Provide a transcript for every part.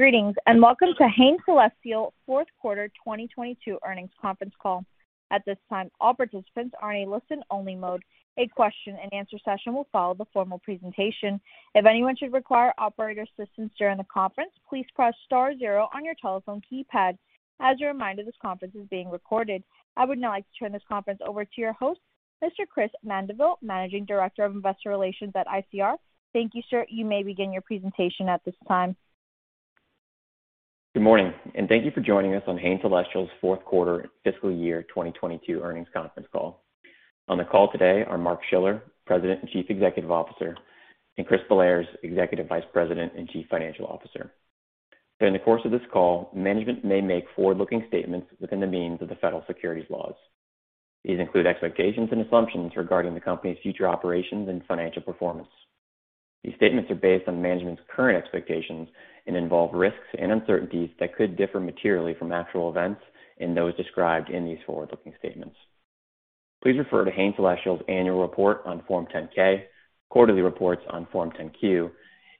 Greetings, and welcome to Hain Celestial fourth quarter 2022 earnings conference call. At this time, all participants are in a listen-only mode. A question-and-answer session will follow the formal presentation. If anyone should require operator assistance during the conference, please press star zero on your telephone keypad. As a reminder, this conference is being recorded. I would now like to turn this conference over to your host, Mr. Chris Mandeville, Managing Director of Investor Relations at ICR. Thank you, sir. You may begin your presentation at this time. Good morning, and thank you for joining us on Hain Celestial's fourth quarter fiscal year 2022 earnings conference call. On the call today are Mark Schiller, President and Chief Executive Officer, and Chris Bellairs, Executive Vice President and Chief Financial Officer. During the course of this call, management may make forward-looking statements within the means of the federal securities laws. These include expectations and assumptions regarding the company's future operations and financial performance. These statements are based on management's current expectations and involve risks and uncertainties that could differ materially from actual events in those described in these forward-looking statements. Please refer to Hain Celestial's annual report on Form 10-K, quarterly reports on Form 10-Q,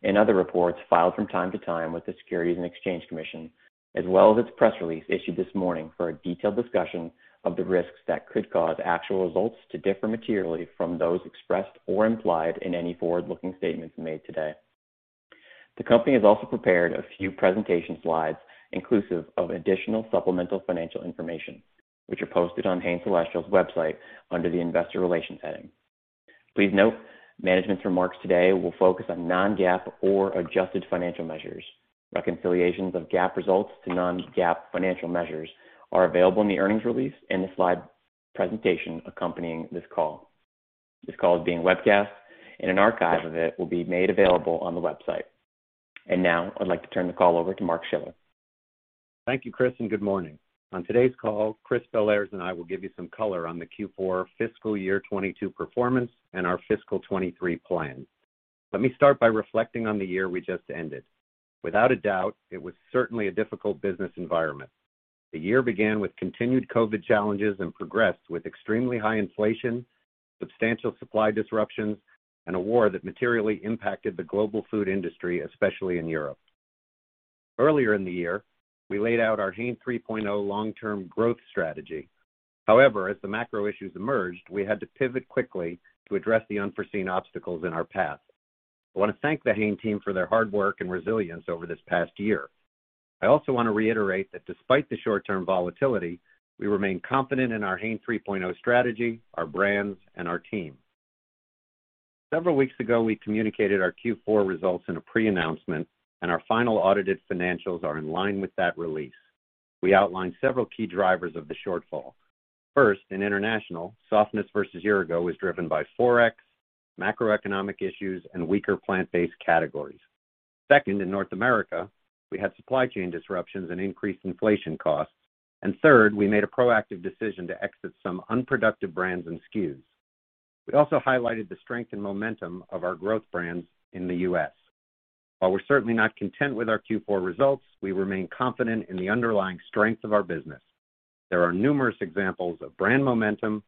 and other reports filed from time to time with the Securities and Exchange Commission, as well as its press release issued this morning for a detailed discussion of the risks that could cause actual results to differ materially from those expressed or implied in any forward-looking statements made today. The company has also prepared a few presentation slides inclusive of additional supplemental financial information, which are posted on Hain Celestial's website under the Investor Relations heading. Please note management's remarks today will focus on non-GAAP or adjusted financial measures. Reconciliations of GAAP results to non-GAAP financial measures are available in the earnings release and the slide presentation accompanying this call. This call is being webcast and an archive of it will be made available on the website. Now I'd like to turn the call over to Mark Schiller. Thank you, Chris, and good morning. On today's call, Chris Bellairs and I will give you some color on the Q4 fiscal year 2022 performance and our fiscal 2023 plans. Let me start by reflecting on the year we just ended. Without a doubt, it was certainly a difficult business environment. The year began with continued COVID challenges and progressed with extremely high inflation, substantial supply disruptions, and a war that materially impacted the global food industry, especially in Europe. Earlier in the year, we laid out our Hain 3.0 long-term growth strategy. However, as the macro issues emerged, we had to pivot quickly to address the unforeseen obstacles in our path. I wanna thank the Hain team for their hard work and resilience over this past year. I also wanna reiterate that despite the short-term volatility, we remain confident in our Hain 3.0 strategy, our brands, and our team. Several weeks ago, we communicated our Q4 results in a pre-announcement, and our final audited financials are in line with that release. We outlined several key drivers of the shortfall. First, in international, softness versus year ago was driven by forex, macroeconomic issues, and weaker plant-based categories. Second, in North America, we had supply chain disruptions and increased inflation costs. Third, we made a proactive decision to exit some unproductive brands and SKUs. We also highlighted the strength and momentum of our growth brands in the U.S. While we're certainly not content with our Q4 results, we remain confident in the underlying strength of our business. There are numerous examples of brand momentum,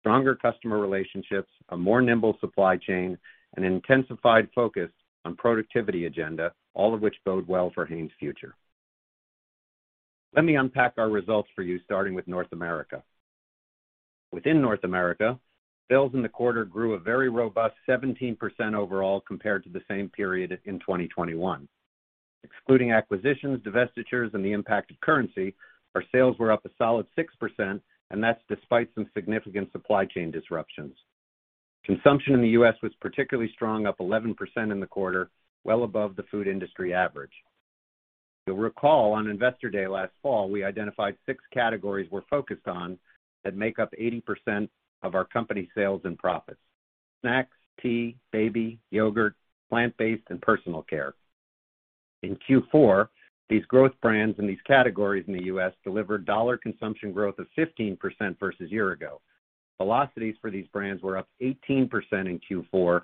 stronger customer relationships, a more nimble supply chain, and intensified focus on productivity agenda, all of which bode well for Hain's future. Let me unpack our results for you, starting with North America. Within North America, sales in the quarter grew a very robust 17% overall compared to the same period in 2021. Excluding acquisitions, divestitures, and the impact of currency, our sales were up a solid 6%, and that's despite some significant supply chain disruptions. Consumption in the U.S. was particularly strong, up 11% in the quarter, well above the food industry average. You'll recall on Investor Day last fall, we identified six categories we're focused on that make up 80% of our company sales and profits, snacks, tea, baby, yogurt, plant-based, and personal care. In Q4, these growth brands in these categories in the U.S. delivered dollar consumption growth of 15% versus year ago. Velocities for these brands were up 18% in Q4,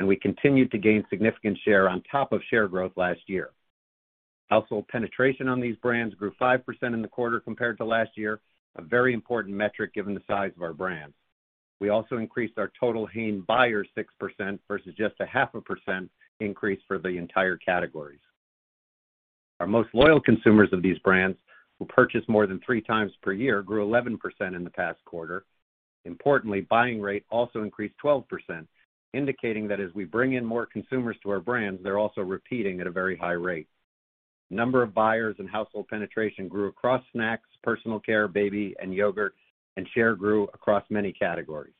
and we continued to gain significant share on top of share growth last year. Household penetration on these brands grew 5% in the quarter compared to last year, a very important metric given the size of our brands. We also increased our total Hain buyers 6% versus just a 0.5% increase for the entire categories. Our most loyal consumers of these brands, who purchase more than three times per year, grew 11% in the past quarter. Importantly, buying rate also increased 12%, indicating that as we bring in more consumers to our brands, they're also repeating at a very high rate. Number of buyers and household penetration grew across snacks, personal care, baby, and yogurt, and share grew across many categories.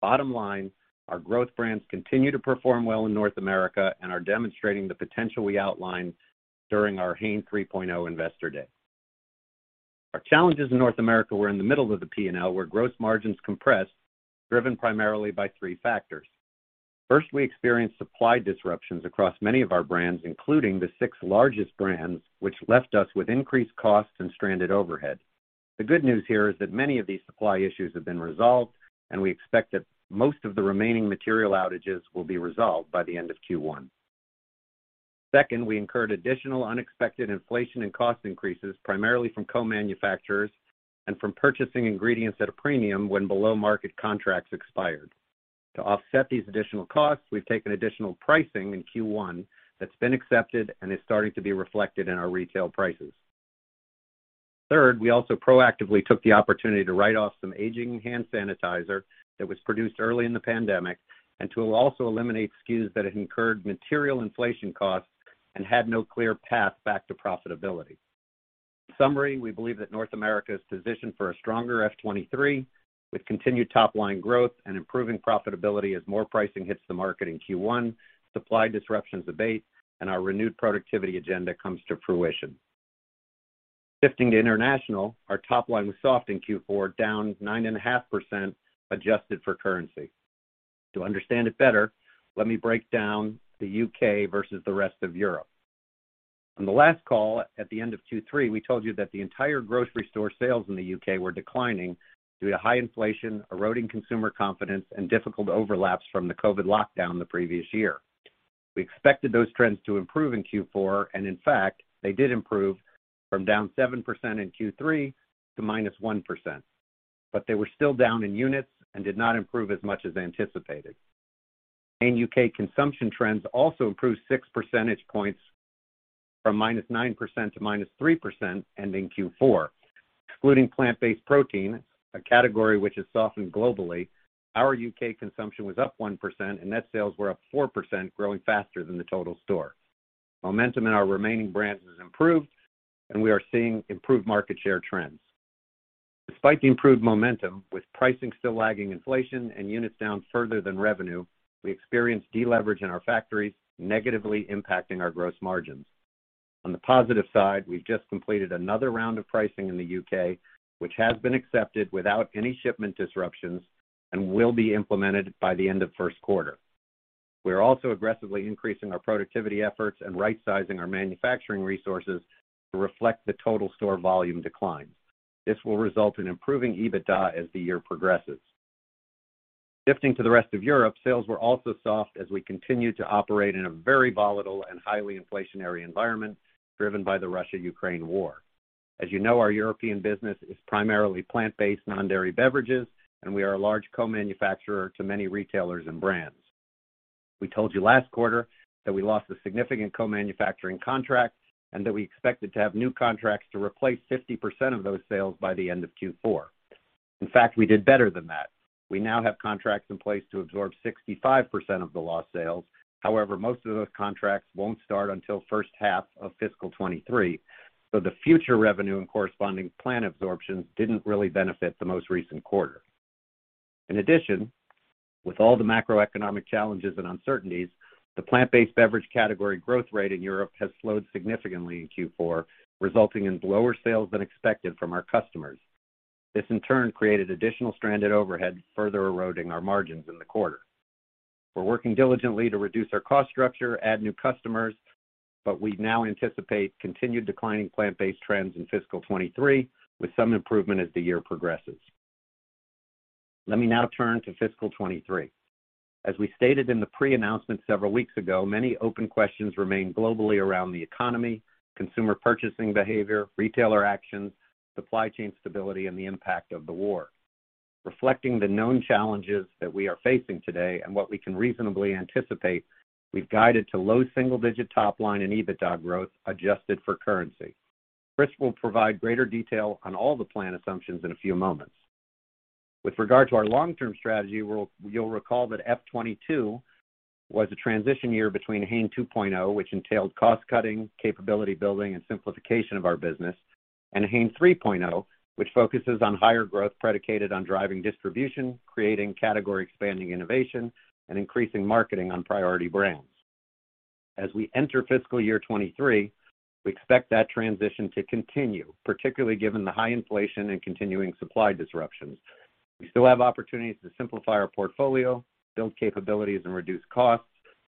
Bottom line, our growth brands continue to perform well in North America and are demonstrating the potential we outlined during our Hain 3.0 Investor Day. Our challenges in North America were in the middle of the P&L, where gross margins compressed, driven primarily by three factors. First, we experienced supply disruptions across many of our brands, including the six largest brands, which left us with increased costs and stranded overhead. The good news here is that many of these supply issues have been resolved, and we expect that most of the remaining material outages will be resolved by the end of Q1. Second, we incurred additional unexpected inflation and cost increases, primarily from co-manufacturers and from purchasing ingredients at a premium when below-market contracts expired. To offset these additional costs, we've taken additional pricing in Q1 that's been accepted and is starting to be reflected in our retail prices. Third, we also proactively took the opportunity to write off some aging hand sanitizer that was produced early in the pandemic, and to also eliminate SKUs that had incurred material inflation costs and had no clear path back to profitability. In summary, we believe that North America is positioned for a stronger FY 2023, with continued top-line growth and improving profitability as more pricing hits the market in Q1, supply disruptions abate, and our renewed productivity agenda comes to fruition. Shifting to international, our top line was soft in Q4, down 9.5% adjusted for currency. To understand it better, let me break down the U.K. versus the rest of Europe. On the last call at the end of Q3, we told you that the entire grocery store sales in the U.K. were declining due to high inflation, eroding consumer confidence, and difficult overlaps from the COVID lockdown the previous year. We expected those trends to improve in Q4, and in fact, they did improve from down 7% in Q3 to -1%. They were still down in units and did not improve as much as anticipated. In the U.K., consumption trends also improved six percentage points from -9% to -3% ending Q4. Excluding plant-based protein, a category which has softened globally, our U.K. consumption was up 1% and net sales were up 4%, growing faster than the total store. Momentum in our remaining brands has improved and we are seeing improved market share trends. Despite the improved momentum, with pricing still lagging inflation and units down further than revenue, we experienced deleverage in our factories, negatively impacting our gross margins. On the positive side, we've just completed another round of pricing in the U.K., which has been accepted without any shipment disruptions and will be implemented by the end of first quarter. We are also aggressively increasing our productivity efforts and rightsizing our manufacturing resources to reflect the total store volume decline. This will result in improving EBITDA as the year progresses. Shifting to the rest of Europe, sales were also soft as we continued to operate in a very volatile and highly inflationary environment driven by the Russia-Ukraine war. As you know, our European business is primarily plant-based, non-dairy beverages, and we are a large co-manufacturer to many retailers and brands. We told you last quarter that we lost a significant co-manufacturing contract and that we expected to have new contracts to replace 50% of those sales by the end of Q4. In fact, we did better than that. We now have contracts in place to absorb 65% of the lost sales. However, most of those contracts won't start until first half of fiscal 2023, so the future revenue and corresponding plant absorptions didn't really benefit the most recent quarter. In addition, with all the macroeconomic challenges and uncertainties, the plant-based beverage category growth rate in Europe has slowed significantly in Q4, resulting in lower sales than expected from our customers. This in turn created additional stranded overheads, further eroding our margins in the quarter. We're working diligently to reduce our cost structure, add new customers, but we now anticipate continued declining plant-based trends in fiscal 2023, with some improvement as the year progresses. Let me now turn to fiscal 2023. As we stated in the pre-announcement several weeks ago, many open questions remain globally around the economy, consumer purchasing behavior, retailer actions, supply chain stability, and the impact of the war. Reflecting the known challenges that we are facing today and what we can reasonably anticipate, we've guided to low single-digit top line and EBITDA growth adjusted for currency. Chris will provide greater detail on all the plan assumptions in a few moments. With regard to our long-term strategy, you'll recall that FY 2022 was a transition year between Hain 2.0, which entailed cost-cutting, capability building, and simplification of our business, and Hain 3.0, which focuses on higher growth predicated on driving distribution, creating category-expanding innovation, and increasing marketing on priority brands. As we enter fiscal year 2023, we expect that transition to continue, particularly given the high inflation and continuing supply disruptions. We still have opportunities to simplify our portfolio, build capabilities, and reduce costs,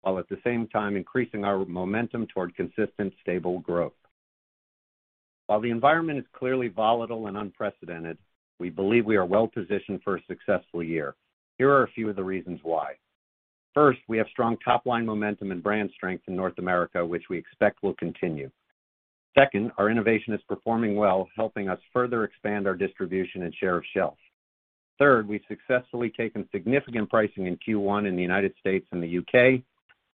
while at the same time increasing our momentum toward consistent, stable growth. While the environment is clearly volatile and unprecedented, we believe we are well-positioned for a successful year. Here are a few of the reasons why. First, we have strong top-line momentum and brand strength in North America, which we expect will continue. Second, our innovation is performing well, helping us further expand our distribution and share of shelf. Third, we've successfully taken significant pricing in Q1 in the United States and the U.K.,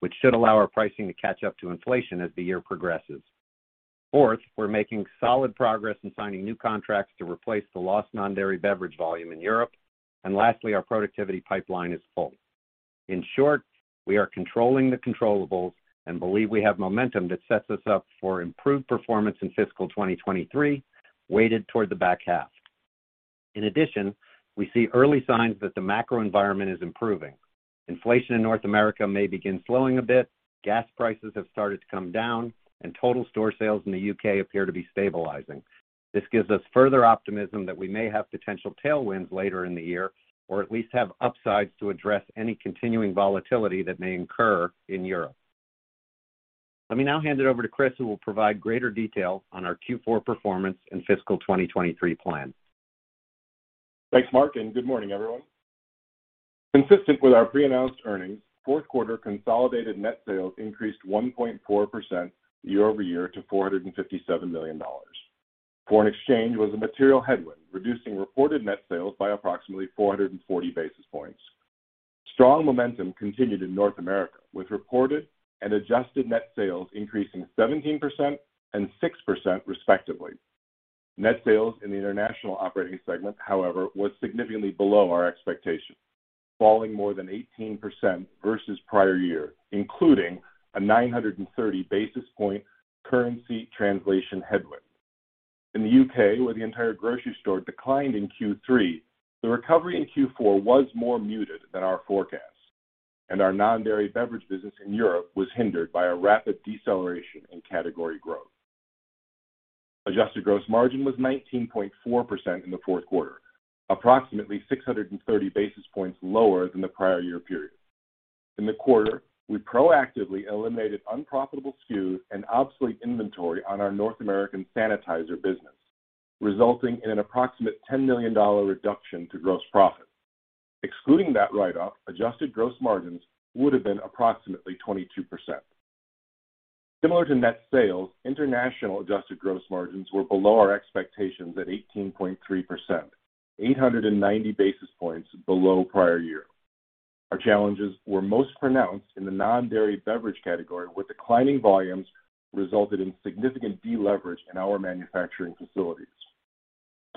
which should allow our pricing to catch up to inflation as the year progresses. Fourth, we're making solid progress in signing new contracts to replace the lost non-dairy beverage volume in Europe. Lastly, our productivity pipeline is full. In short, we are controlling the controllables and believe we have momentum that sets us up for improved performance in fiscal 2023, weighted toward the back half. In addition, we see early signs that the macro environment is improving. Inflation in North America may begin slowing a bit, gas prices have started to come down, and total store sales in the U.K. appear to be stabilizing. This gives us further optimism that we may have potential tailwinds later in the year, or at least have upsides to address any continuing volatility that may incur in Europe. Let me now hand it over to Chris, who will provide greater detail on our Q4 performance and fiscal 2023 plan. Thanks, Mark, and good morning, everyone. Consistent with our pre-announced earnings, fourth quarter consolidated net sales increased 1.4% year-over-year to $457 million. Foreign exchange was a material headwind, reducing reported net sales by approximately 440 basis points. Strong momentum continued in North America, with reported and adjusted net sales increasing 17% and 6% respectively. Net sales in the international operating segment, however, was significantly below our expectations, falling more than 18% versus prior year, including a 930 basis point currency translation headwind. In the U.K., where the entire grocery store declined in Q3, the recovery in Q4 was more muted than our forecast, and our non-dairy beverage business in Europe was hindered by a rapid deceleration in category growth. Adjusted gross margin was 19.4% in the fourth quarter, approximately 630 basis points lower than the prior year period. In the quarter, we proactively eliminated unprofitable SKUs and obsolete inventory on our North American sanitizer business, resulting in an approximate $10 million reduction to gross profit. Excluding that write-off, adjusted gross margins would have been approximately 22%. Similar to net sales, international adjusted gross margins were below our expectations at 18.3%, 890 basis points below prior year. Our challenges were most pronounced in the non-dairy beverage category, where declining volumes resulted in significant deleverage in our manufacturing facilities.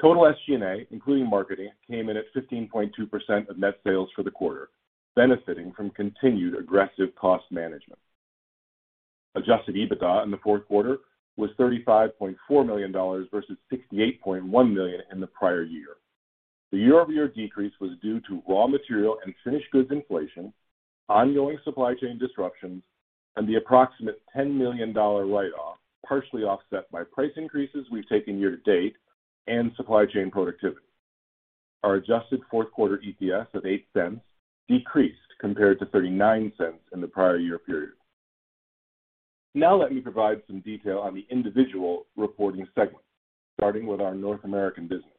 Total SG&A, including marketing, came in at 15.2% of net sales for the quarter, benefiting from continued aggressive cost management. Adjusted EBITDA in the fourth quarter was $35.4 million versus $68.1 million in the prior year. The year-over-year decrease was due to raw material and finished goods inflation, ongoing supply chain disruptions, and the approximate $10 million write-off, partially offset by price increases we've taken year to date and supply chain productivity. Our adjusted fourth quarter EPS of $0.08 decreased compared to $0.39 in the prior year period. Now let me provide some detail on the individual reporting segments, starting with our North American business.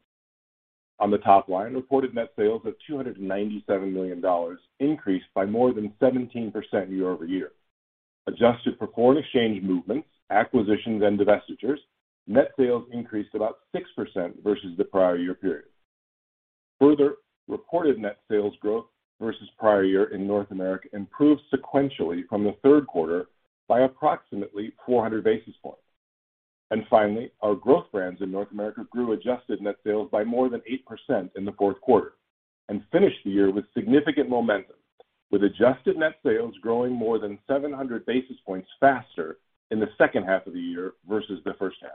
On the top line, reported net sales of $297 million increased by more than 17% year-over-year. Adjusted for foreign exchange movements, acquisitions, and divestitures, net sales increased about 6% versus the prior year period. Further, reported net sales growth versus prior year in North America improved sequentially from the third quarter by approximately 400 basis points. Finally, our growth brands in North America grew adjusted net sales by more than 8% in the fourth quarter and finished the year with significant momentum, with adjusted net sales growing more than 700 basis points faster in the second half of the year versus the first half.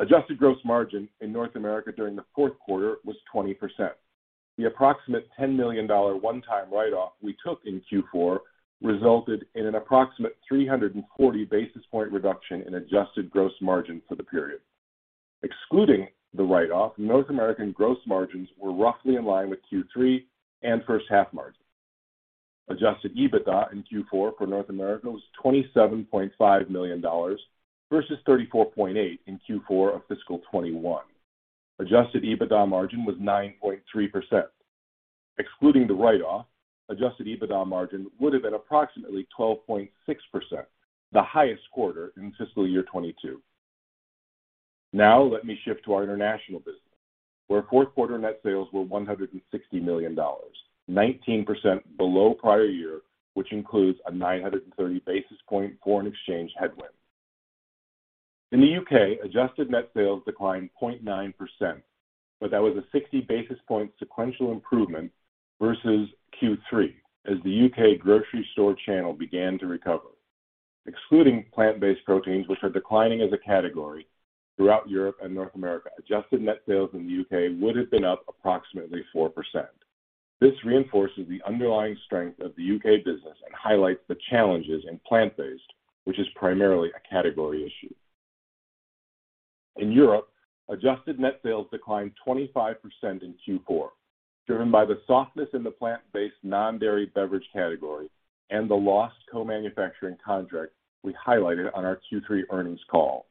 Adjusted gross margin in North America during the fourth quarter was 20%. The approximate $10 million one-time write-off we took in Q4 resulted in an approximate 340 basis point reduction in adjusted gross margin for the period. Excluding the write-off, North American gross margins were roughly in line with Q3 and first half margins. Adjusted EBITDA in Q4 for North America was $27.5 million versus $34.8 million in Q4 of fiscal 2021. Adjusted EBITDA margin was 9.3%. Excluding the write-off, Adjusted EBITDA margin would have been approximately 12.6%, the highest quarter in fiscal year 2022. Now let me shift to our international business, where fourth quarter net sales were $160 million, 19% below prior year, which includes a 930 basis point foreign exchange headwind. In the U.K., adjusted net sales declined 0.9%, but that was a 60 basis point sequential improvement versus Q3 as the U.K. grocery store channel began to recover. Excluding plant-based proteins, which are declining as a category throughout Europe and North America, adjusted net sales in the U.K. would have been up approximately 4%. This reinforces the underlying strength of the U.K. business and highlights the challenges in plant-based, which is primarily a category issue. In Europe, adjusted net sales declined 25% in Q4, driven by the softness in the plant-based non-dairy beverage category and the lost co-manufacturing contract we highlighted on our Q3 earnings call.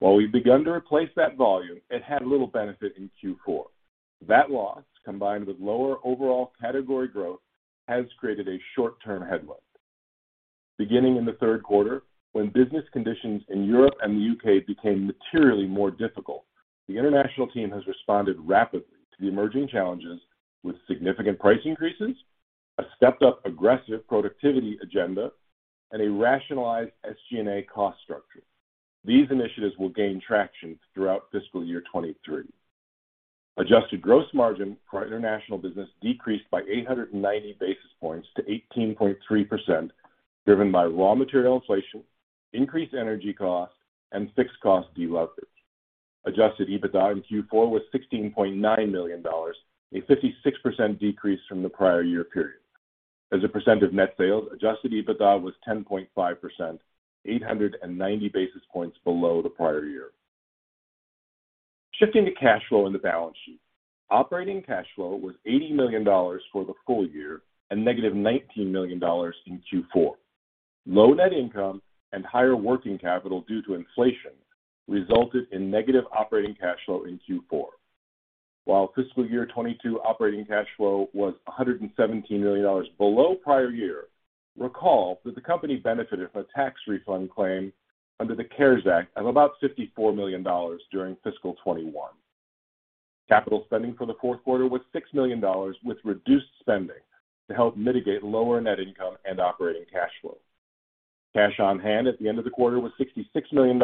While we've begun to replace that volume, it had little benefit in Q4. That loss, combined with lower overall category growth, has created a short-term headwind. Beginning in the third quarter, when business conditions in Europe and the U.K. became materially more difficult, the international team has responded rapidly to the emerging challenges with significant price increases, a stepped-up aggressive productivity agenda, and a rationalized SG&A cost structure. These initiatives will gain traction throughout fiscal year 2023. Adjusted gross margin for our international business decreased by 890 basis points to 18.3%, driven by raw material inflation, increased energy costs, and fixed cost deleverage. Adjusted EBITDA in Q4 was $16.9 million, a 56% decrease from the prior year period. As a percent of net sales, Adjusted EBITDA was 10.5%, 890 basis points below the prior year. Shifting to cash flow and the balance sheet. Operating cash flow was $80 million for the full year and -$19 million in Q4. Low net income and higher working capital due to inflation resulted in negative operating cash flow in Q4. While fiscal year 2022 operating cash flow was $117 million below prior year, recall that the company benefited from a tax refund claim under the CARES Act of about $54 million during fiscal 2021. Capital spending for the fourth quarter was $6 million, with reduced spending to help mitigate lower net income and operating cash flow. Cash on hand at the end of the quarter was $66 million,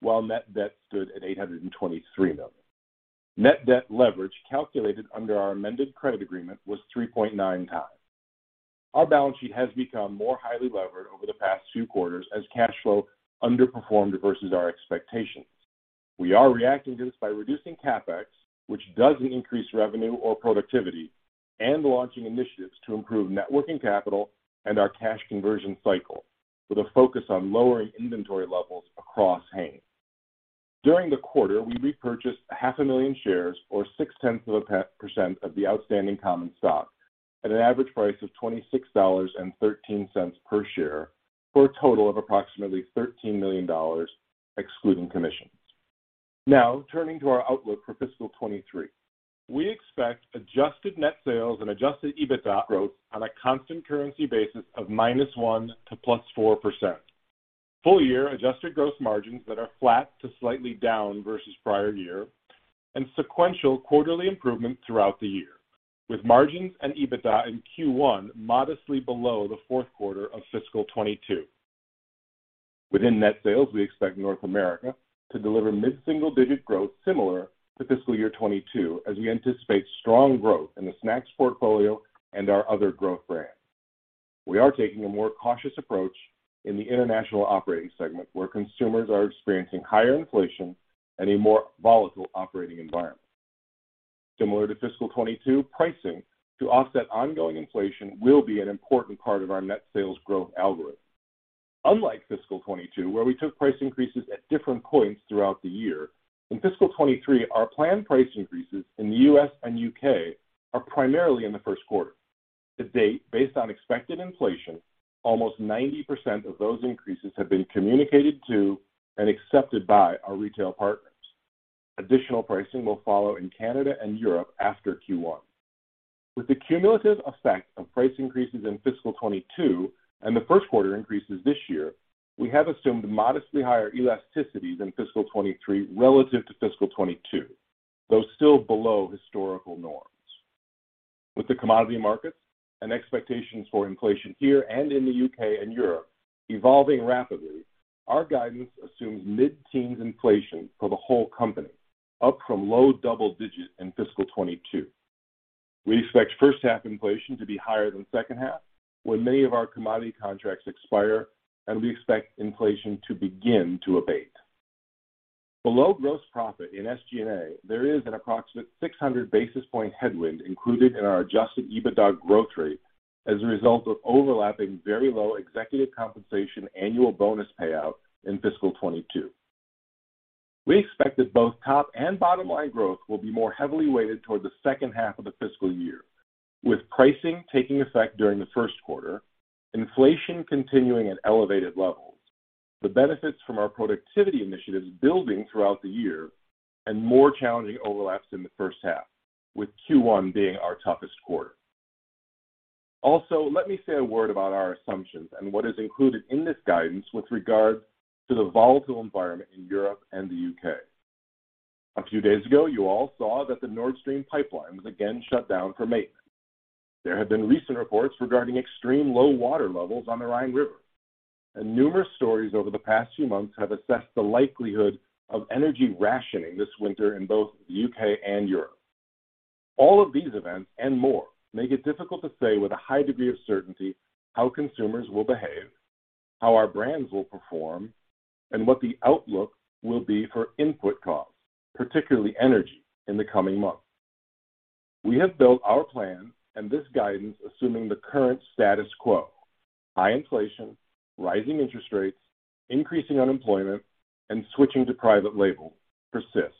while net debt stood at $823 million. Net debt leverage calculated under our amended credit agreement was 3.9x. Our balance sheet has become more highly levered over the past two quarters as cash flow underperformed versus our expectations. We are reacting to this by reducing CapEx, which doesn't increase revenue or productivity, and launching initiatives to improve working capital and our cash conversion cycle with a focus on lowering inventory levels across Hain. During the quarter, we repurchased 500,000 shares or 0.6% of the outstanding common stock at an average price of $26.13 per share for a total of approximately $13 million excluding commissions. Now turning to our outlook for fiscal 2023. We expect adjusted net sales and Adjusted EBITDA growth on a constant currency basis of -1% to +4%. Full year adjusted gross margins that are flat to slightly down versus prior year and sequential quarterly improvement throughout the year, with margins and EBITDA in Q1 modestly below the fourth quarter of fiscal 2022. Within net sales, we expect North America to deliver mid-single-digit growth similar to fiscal year 2022 as we anticipate strong growth in the snacks portfolio and our other growth brands. We are taking a more cautious approach in the international operating segment, where consumers are experiencing higher inflation and a more volatile operating environment. Similar to fiscal 2022, pricing to offset ongoing inflation will be an important part of our net sales growth algorithm. Unlike fiscal 2022, where we took price increases at different points throughout the year, in fiscal 2023, our planned price increases in the U.S. and U.K. are primarily in the first quarter. To date, based on expected inflation, almost 90% of those increases have been communicated to and accepted by our retail partners. Additional pricing will follow in Canada and Europe after Q1. With the cumulative effect of price increases in fiscal 2022 and the first quarter increases this year, we have assumed modestly higher elasticity than fiscal 2023 relative to fiscal 2022, though still below historical norms. With the commodity markets and expectations for inflation here and in the U.K. and Europe evolving rapidly, our guidance assumes mid-teens inflation for the whole company, up from low double-digit in fiscal 2022. We expect first half inflation to be higher than second half when many of our commodity contracts expire and we expect inflation to begin to abate. Below gross profit in SG&A, there is an approximate 600 basis points headwind included in our Adjusted EBITDA growth rate as a result of overlapping very low executive compensation annual bonus payout in fiscal 2022. We expect that both top and bottom line growth will be more heavily weighted toward the second half of the fiscal year, with pricing taking effect during the first quarter, inflation continuing at elevated levels, the benefits from our productivity initiatives building throughout the year, and more challenging overlaps in the first half, with Q1 being our toughest quarter. Also, let me say a word about our assumptions and what is included in this guidance with regards to the volatile environment in Europe and the U.K. A few days ago, you all saw that the Nord Stream pipeline was again shut down for maintenance. There have been recent reports regarding extreme low water levels on the Rhine River, and numerous stories over the past few months have assessed the likelihood of energy rationing this winter in both the U.K. and Europe. All of these events, and more, make it difficult to say with a high degree of certainty how consumers will behave, how our brands will perform, and what the outlook will be for input costs, particularly energy in the coming months. We have built our plan and this guidance, assuming the current status quo, high inflation, rising interest rates, increasing unemployment, and switching to private label persist.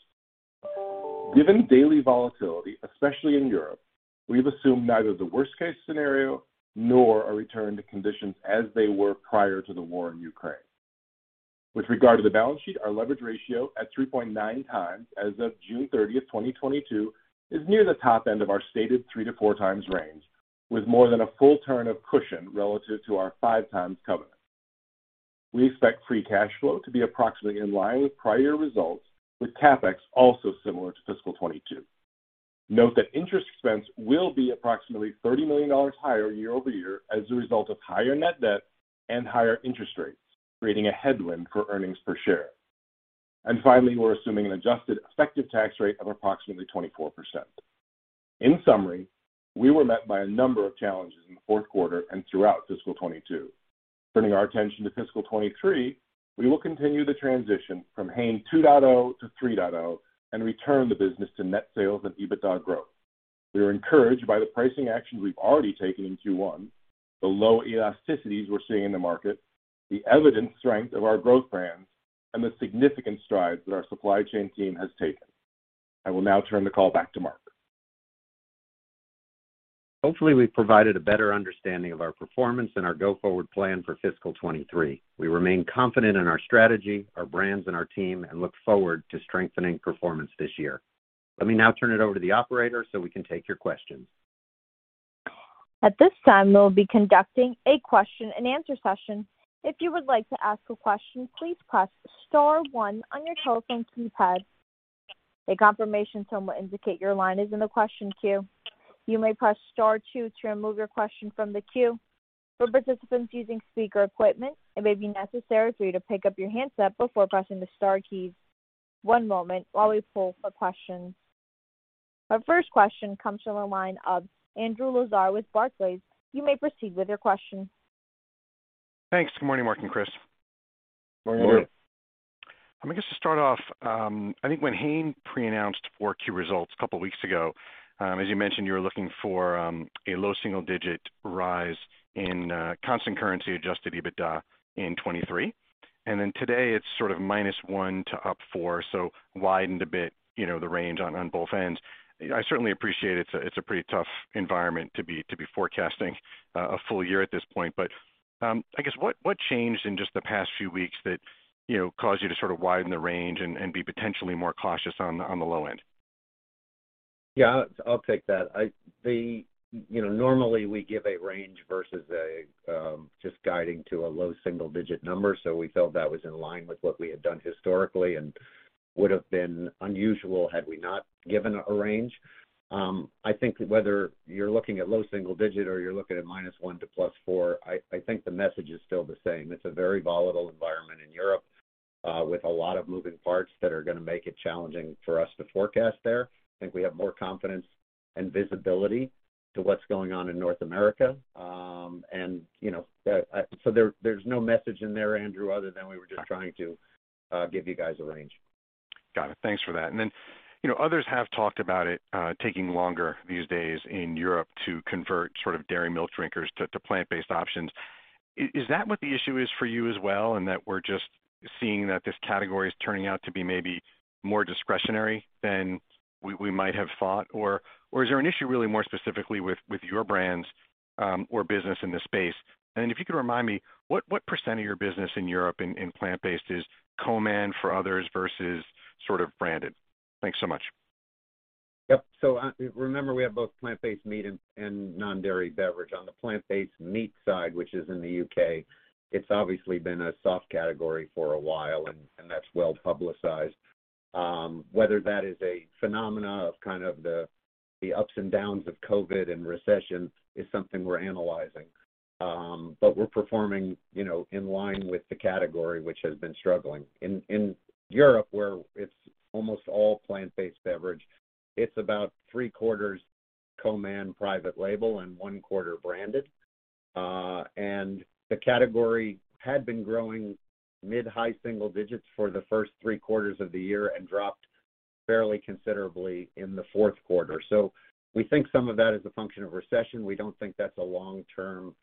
Given daily volatility, especially in Europe, we've assumed neither the worst case scenario nor a return to conditions as they were prior to the war in Ukraine. With regard to the balance sheet, our leverage ratio at 3.9x as of June 30th, 2022, is near the top end of our stated 3-4x range, with more than a full turn of cushion relative to our 5x covenant. We expect free cash flow to be approximately in line with prior results, with CapEx also similar to fiscal 2022. Note that interest expense will be approximately $30 million higher year-over-year as a result of higher net debt and higher interest rates, creating a headwind for earnings per share. Finally, we're assuming an adjusted effective tax rate of approximately 24%. In summary, we were met by a number of challenges in the fourth quarter and throughout fiscal 2022. Turning our attention to fiscal 2023, we will continue the transition from Hain 2.0-3.0 and return the business to net sales and EBITDA growth. We are encouraged by the pricing actions we've already taken in Q1, the low elasticities we're seeing in the market, the evident strength of our growth brands, and the significant strides that our supply chain team has taken. I will now turn the call back to Mark. Hopefully, we've provided a better understanding of our performance and our go-forward plan for fiscal 2023. We remain confident in our strategy, our brands and our team, and look forward to strengthening performance this year. Let me now turn it over to the operator so we can take your questions. At this time, we'll be conducting a question and answer session. If you would like to ask a question, please press star one on your telephone keypad. A confirmation tone will indicate your line is in the question queue. You may press star two to remove your question from the queue. For participants using speaker equipment, it may be necessary for you to pick up your handset before pressing the star key. One moment while we poll for questions. Our first question comes from the line of Andrew Lazar with Barclays. You may proceed with your question. Thanks. Good morning, Mark and Chris. Morning. I'm going to just start off. I think when Hain pre-announced 4Q results a couple of weeks ago, as you mentioned, you were looking for a low single digit rise in constant currency adjusted EBITDA in 2023, and then today it's sort of -1% to +4%. Widened a bit, you know, the range on both ends. I certainly appreciate it's a pretty tough environment to be forecasting a full year at this point. I guess what changed in just the past few weeks that, you know, caused you to sort of widen the range and be potentially more cautious on the low end? Yeah, I'll take that. You know, normally we give a range versus just guiding to a low single-digit numbers. We felt that was in line with what we had done historically and would have been unusual had we not given a range. I think whether you're looking at low single-digit or you're looking at -1% to +4%, I think the message is still the same. It's a very volatile environment in Europe with a lot of moving parts that are going to make it challenging for us to forecast there. I think we have more confidence and visibility to what's going on in North America. You know, there's no message in there, Andrew, other than we were just trying to give you guys a range. Got it. Thanks for that. You know, others have talked about it, taking longer these days in Europe to convert sort of dairy milk drinkers to plant-based options. Is that what the issue is for you as well, and that we're just seeing that this category is turning out to be maybe more discretionary than we might have thought? Is there an issue really more specifically with your brands or business in this space? If you could remind me, what percent of your business in Europe in plant-based is co-man for others versus sort of branded? Thanks so much. Yep. Remember we have both plant-based meat and non-dairy beverage. On the plant-based meat side, which is in the U.K., it's obviously been a soft category for a while, and that's well publicized. Whether that is a phenomenon of kind of the ups and downs of COVID and recession is something we're analyzing. We're performing, you know, in line with the category which has been struggling. In Europe, where it's almost all plant-based beverage, it's about three quarters co-man private label and one quarter branded. The category had been growing mid-high single digits for the first three quarters of the year and dropped fairly considerably in the fourth quarter. We think some of that is a function of recession. We don't think that's a long-term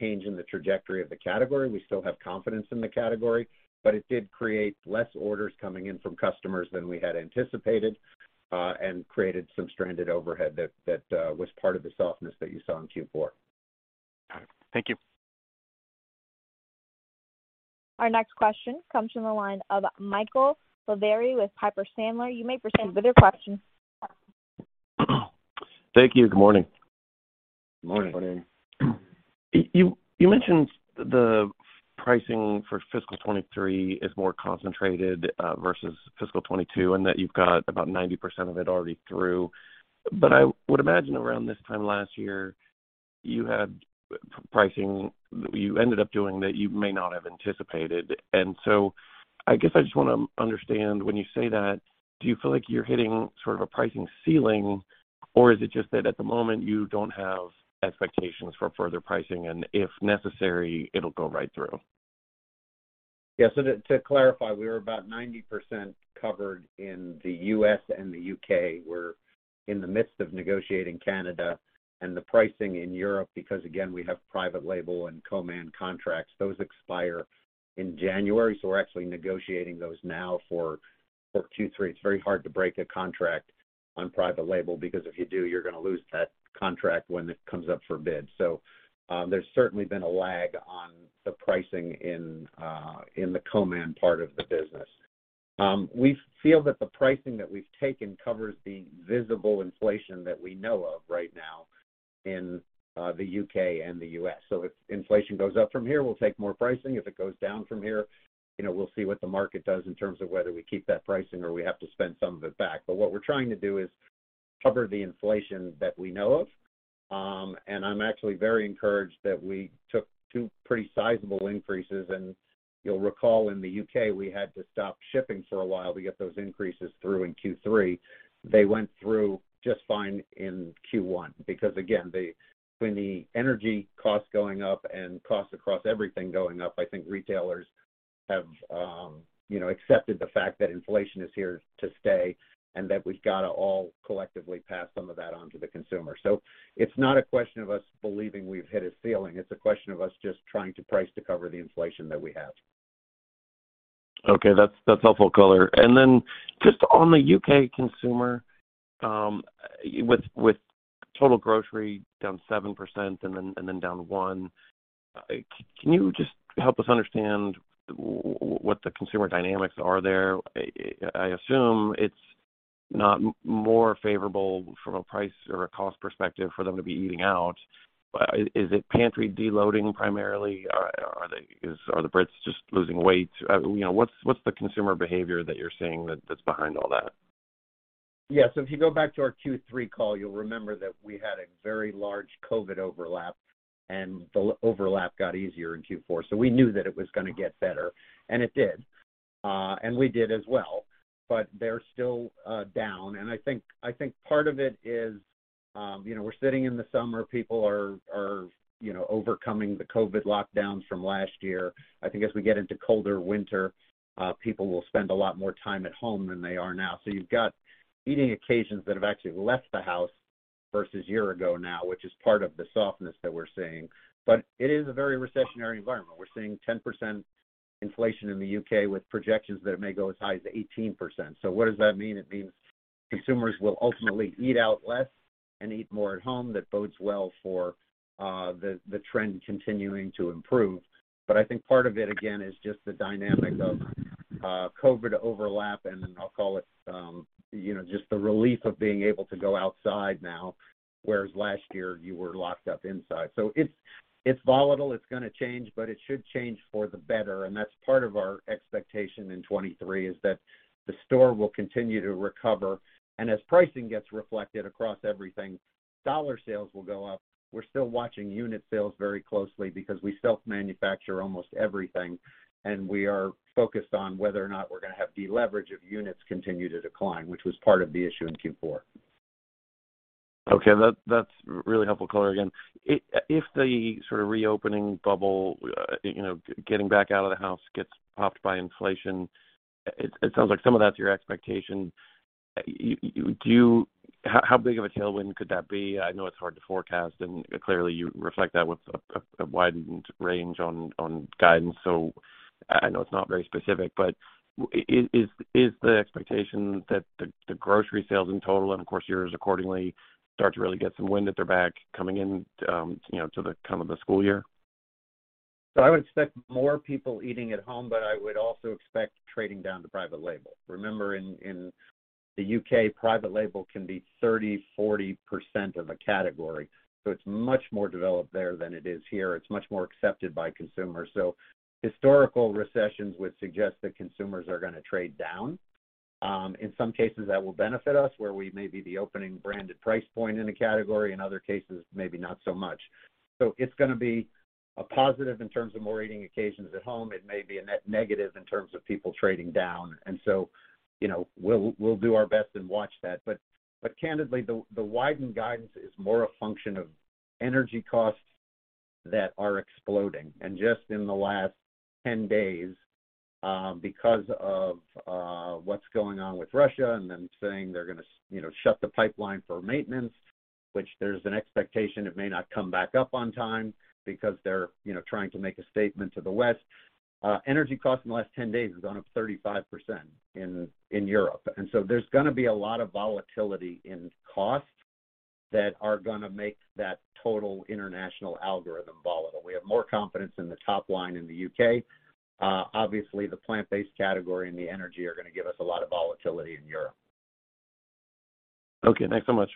change in the trajectory of the category. We still have confidence in the category. It did create less orders coming in from customers than we had anticipated, and created some stranded overhead that was part of the softness that you saw in Q4. Got it. Thank you. Our next question comes from the line of Michael Lavery with Piper Sandler. You may proceed with your question. Thank you. Good morning. Morning. You mentioned the pricing for fiscal 2023 is more concentrated versus fiscal 2022, and that you've got about 90% of it already through. I would imagine around this time last year, you had pricing you ended up doing that you may not have anticipated. I guess I just wanna understand, when you say that, do you feel like you're hitting sort of a pricing ceiling? Or is it just that at the moment you don't have expectations for further pricing, and if necessary, it'll go right through? Yes. To clarify, we were about 90% covered in the U.S. and the U.K. We're in the midst of negotiating Canada and the pricing in Europe, because again, we have private label and co-man contracts. Those expire in January, so we're actually negotiating those now for Q3. It's very hard to break a contract on private label because if you do, you're going to lose that contract when it comes up for bid. There's certainly been a lag on the pricing in the co-man part of the business. We feel that the pricing that we've taken covers the visible inflation that we know of right now in the U.K. and the U.S. If inflation goes up from here, we'll take more pricing. If it goes down from here, you know, we'll see what the market does in terms of whether we keep that pricing or we have to spend some of it back. What we're trying to do is cover the inflation that we know of. I'm actually very encouraged that we took two pretty sizable increases. You'll recall in the U.K., we had to stop shipping for a while to get those increases through in Q3. They went through just fine in Q1 because again, when the energy costs going up and costs across everything going up, I think retailers have, you know, accepted the fact that inflation is here to stay and that we've got to all collectively pass some of that on to the consumer. It's not a question of us believing we've hit a ceiling, it's a question of us just trying to price to cover the inflation that we have. Okay, that's helpful color. Just on the U.K. consumer, with total grocery down 7% and then down 1%, can you just help us understand what the consumer dynamics are there? I assume it's not more favorable from a price or a cost perspective for them to be eating out. Is it pantry de-loading primarily? Are the Brits just losing weight? You know, what's the consumer behavior that you're seeing that's behind all that? Yeah. If you go back to our Q3 call, you'll remember that we had a very large COVID overlap, and the overlap got easier in Q4. We knew that it was gonna get better, and it did. We did as well. They're still down. I think part of it is, you know, we're sitting in the summer, people are, you know, overcoming the COVID lockdowns from last year. I think as we get into colder winter, people will spend a lot more time at home than they are now. You've got eating occasions that have actually left the house versus a year ago now, which is part of the softness that we're seeing. It is a very recessionary environment. We're seeing 10% inflation in the U.K. with projections that it may go as high as 18%. What does that mean? It means consumers will ultimately eat out less and eat more at home. That bodes well for the trend continuing to improve. I think part of it, again, is just the dynamic of COVID overlap, and then I'll call it, you know, just the relief of being able to go outside now, whereas last year you were locked up inside. It's volatile, it's gonna change, but it should change for the better. That's part of our expectation in 2023, is that the store will continue to recover. As pricing gets reflected across everything, dollar sales will go up. We're still watching unit sales very closely because we self-manufacture almost everything, and we are focused on whether or not we're gonna have deleverage of units continue to decline, which was part of the issue in Q4. Okay. That's really helpful color again. If the sort of reopening bubble, you know, getting back out of the house gets popped by inflation, it sounds like some of that's your expectation. How big of a tailwind could that be? I know it's hard to forecast, and clearly you reflect that with a widened range on guidance. I know it's not very specific, but is the expectation that the grocery sales in total, and of course yours accordingly, start to really get some wind at their back coming in, you know, to the cusp of the school year? I would expect more people eating at home, but I would also expect trading down to private label. Remember in the U.K., private label can be 30%, 40% of a category, so it's much more developed there than it is here. It's much more accepted by consumers. Historical recessions would suggest that consumers are gonna trade down. In some cases that will benefit us, where we may be the opening branded price point in a category. In other cases, maybe not so much. It's gonna be a positive in terms of more eating occasions at home. It may be a negative in terms of people trading down. You know, we'll do our best and watch that. Candidly, the widened guidance is more a function of energy costs that are exploding. Just in the last 10 days, because of what's going on with Russia and them saying they're gonna shut the pipeline for maintenance, which there's an expectation it may not come back up on time because they're you know, trying to make a statement to the West. Energy costs in the last 10 days has gone up 35% in Europe. There's gonna be a lot of volatility in costs that are gonna make that total international algorithm volatile. We have more confidence in the top line in the U.K. Obviously, the plant-based category and the energy are gonna give us a lot of volatility in Europe. Okay, thanks so much.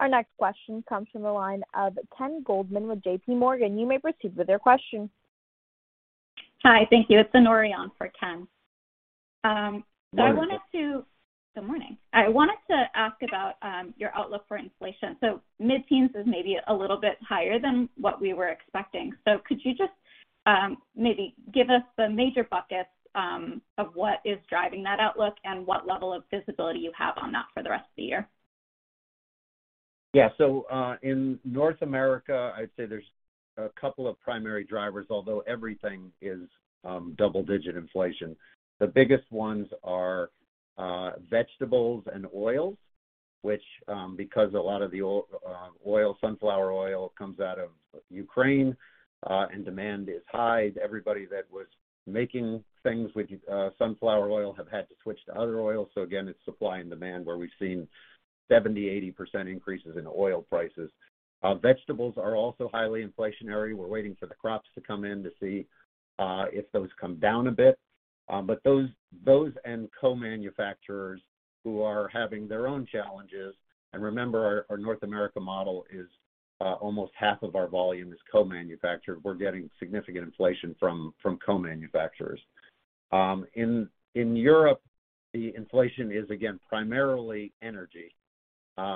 Our next question comes from the line of Ken Goldman with JPMorgan. You may proceed with your question. Hi. Thank you. It's Anoori on for Ken. I wanted to- Good morning. Good morning. I wanted to ask about your outlook for inflation. Mid-teens is maybe a little bit higher than what we were expecting. Could you just maybe give us the major buckets of what is driving that outlook and what level of visibility you have on that for the rest of the year? Yeah. In North America, I'd say there's a couple of primary drivers, although everything is double-digit inflation. The biggest ones are vegetables and oils, which, because a lot of the oil, sunflower oil comes out of Ukraine, and demand is high. Everybody that was making things with sunflower oil have had to switch to other oils. Again, it's supply and demand where we've seen 70%-80% increases in oil prices. Vegetables are also highly inflationary. We're waiting for the crops to come in to see if those come down a bit. But those and co-manufacturers who are having their own challenges. Remember, our North America model is almost half of our volume is co-manufactured. We're getting significant inflation from co-manufacturers. In Europe, the inflation is again primarily energy,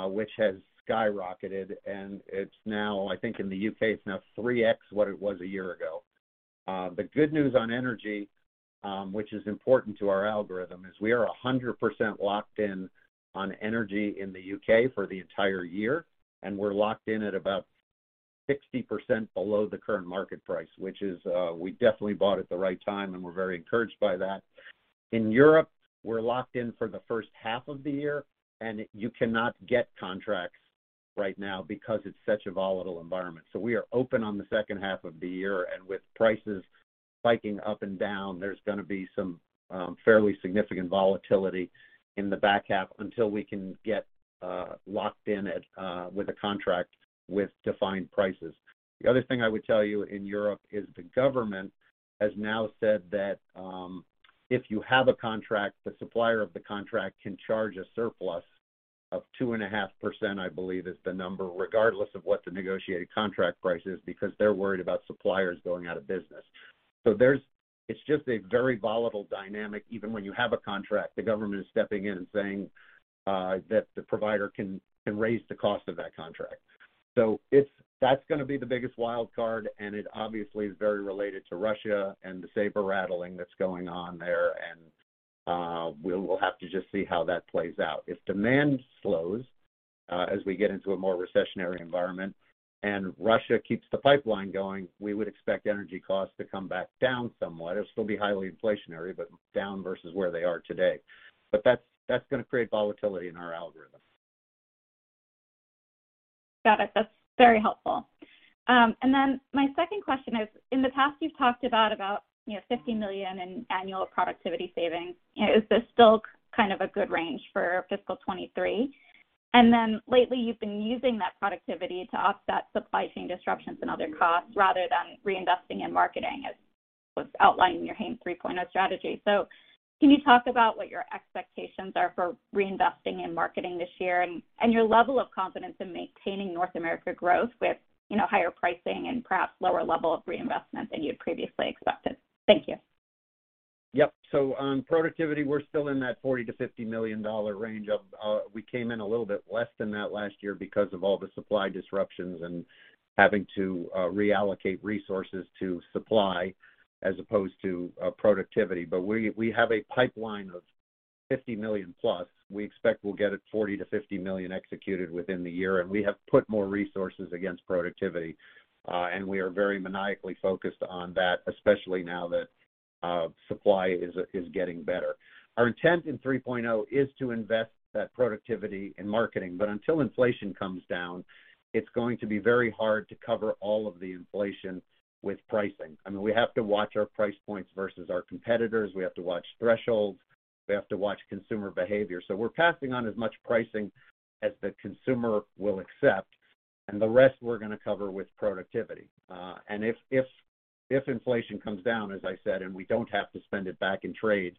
which has skyrocketed and it's now, I think in the U.K., it's now 3x what it was a year ago. The good news on energy, which is important to our algorithm, is we are 100% locked in on energy in the U.K. for the entire year, and we're locked in at about 60% below the current market price, which is, we definitely bought at the right time, and we're very encouraged by that. In Europe, we're locked in for the first half of the year, and you cannot get contracts right now because it's such a volatile environment. We are open on the second half of the year, and with prices spiking up and down, there's gonna be some fairly significant volatility in the back half until we can get locked in at with a contract with defined prices. The other thing I would tell you in Europe is the government has now said that if you have a contract, the supplier of the contract can charge a surplus of 2.5%, I believe is the number, regardless of what the negotiated contract price is, because they're worried about suppliers going out of business. There's a very volatile dynamic. Even when you have a contract, the government is stepping in and saying that the provider can raise the cost of that contract. If that's gonna be the biggest wild card, and it obviously is very related to Russia and the saber-rattling that's going on there, and we'll have to just see how that plays out. If demand slows, as we get into a more recessionary environment and Russia keeps the pipeline going, we would expect energy costs to come back down somewhat. It'll still be highly inflationary, but down versus where they are today. That's gonna create volatility in our algorithm. Got it. That's very helpful. My second question is, in the past you've talked about, you know, $50 million in annual productivity savings. Is this still kind of a good range for fiscal 2023? Lately you've been using that productivity to offset supply chain disruptions and other costs rather than reinvesting in marketing, as was outlined in your Hain 3.0 strategy. Can you talk about what your expectations are for reinvesting in marketing this year and your level of confidence in maintaining North America growth with, you know, higher pricing and perhaps lower level of reinvestment than you had previously expected? Thank you. On productivity, we're still in that $40 million-$50 million range of, we came in a little bit less than that last year because of all the supply disruptions and having to reallocate resources to supply as opposed to productivity. We have a pipeline of $50+ million. We expect we'll get it $40 million-$50 million executed within the year. We have put more resources against productivity, and we are very maniacally focused on that, especially now that supply is getting better. Our intent in 3.0 is to invest that productivity in marketing, but until inflation comes down, it's going to be very hard to cover all of the inflation with pricing. I mean, we have to watch our price points versus our competitors. We have to watch thresholds. We have to watch consumer behavior. We're passing on as much pricing as the consumer will accept, and the rest we're gonna cover with productivity. If inflation comes down, as I said, and we don't have to spend it back in trade,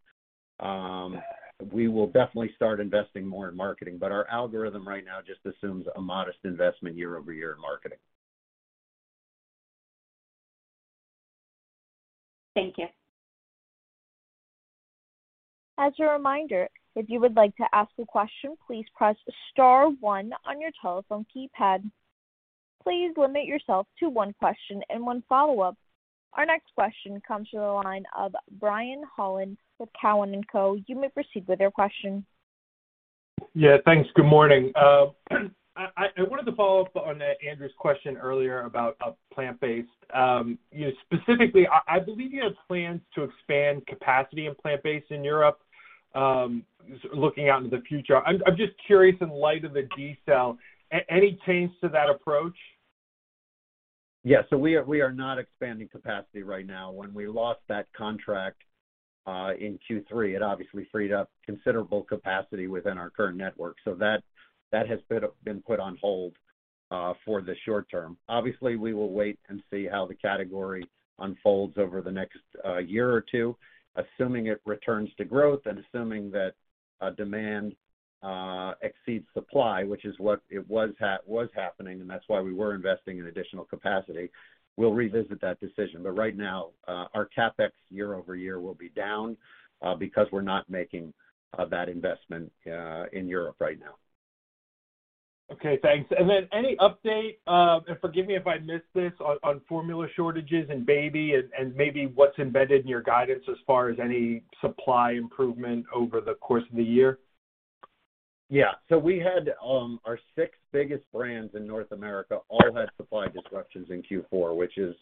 we will definitely start investing more in marketing. Our algorithm right now just assumes a modest investment year over year in marketing. Thank you. As a reminder, if you would like to ask a question, please press star one on your telephone keypad. Please limit yourself to one question and one follow-up. Our next question comes from the line of Brian Holland with Cowen & Co. You may proceed with your question. Yeah, thanks. Good morning. I wanted to follow up on Andrew's question earlier about plant-based. You know, specifically, I believe you have plans to expand capacity in plant-based in Europe, looking out into the future. I'm just curious in light of the decline, any change to that approach? Yeah. We are not expanding capacity right now. When we lost that contract in Q3, it obviously freed up considerable capacity within our current network. That has been put on hold for the short term. Obviously, we will wait and see how the category unfolds over the next year or two. Assuming it returns to growth and assuming that demand exceeds supply, which is what it was happening, and that's why we were investing in additional capacity, we'll revisit that decision. Right now our CapEx year-over-year will be down because we're not making that investment in Europe right now. Okay, thanks. Any update, and forgive me if I missed this on formula shortages and baby, and maybe what's embedded in your guidance as far as any supply improvement over the course of the year? We had our six biggest brands in North America all had supply disruptions in Q4, which is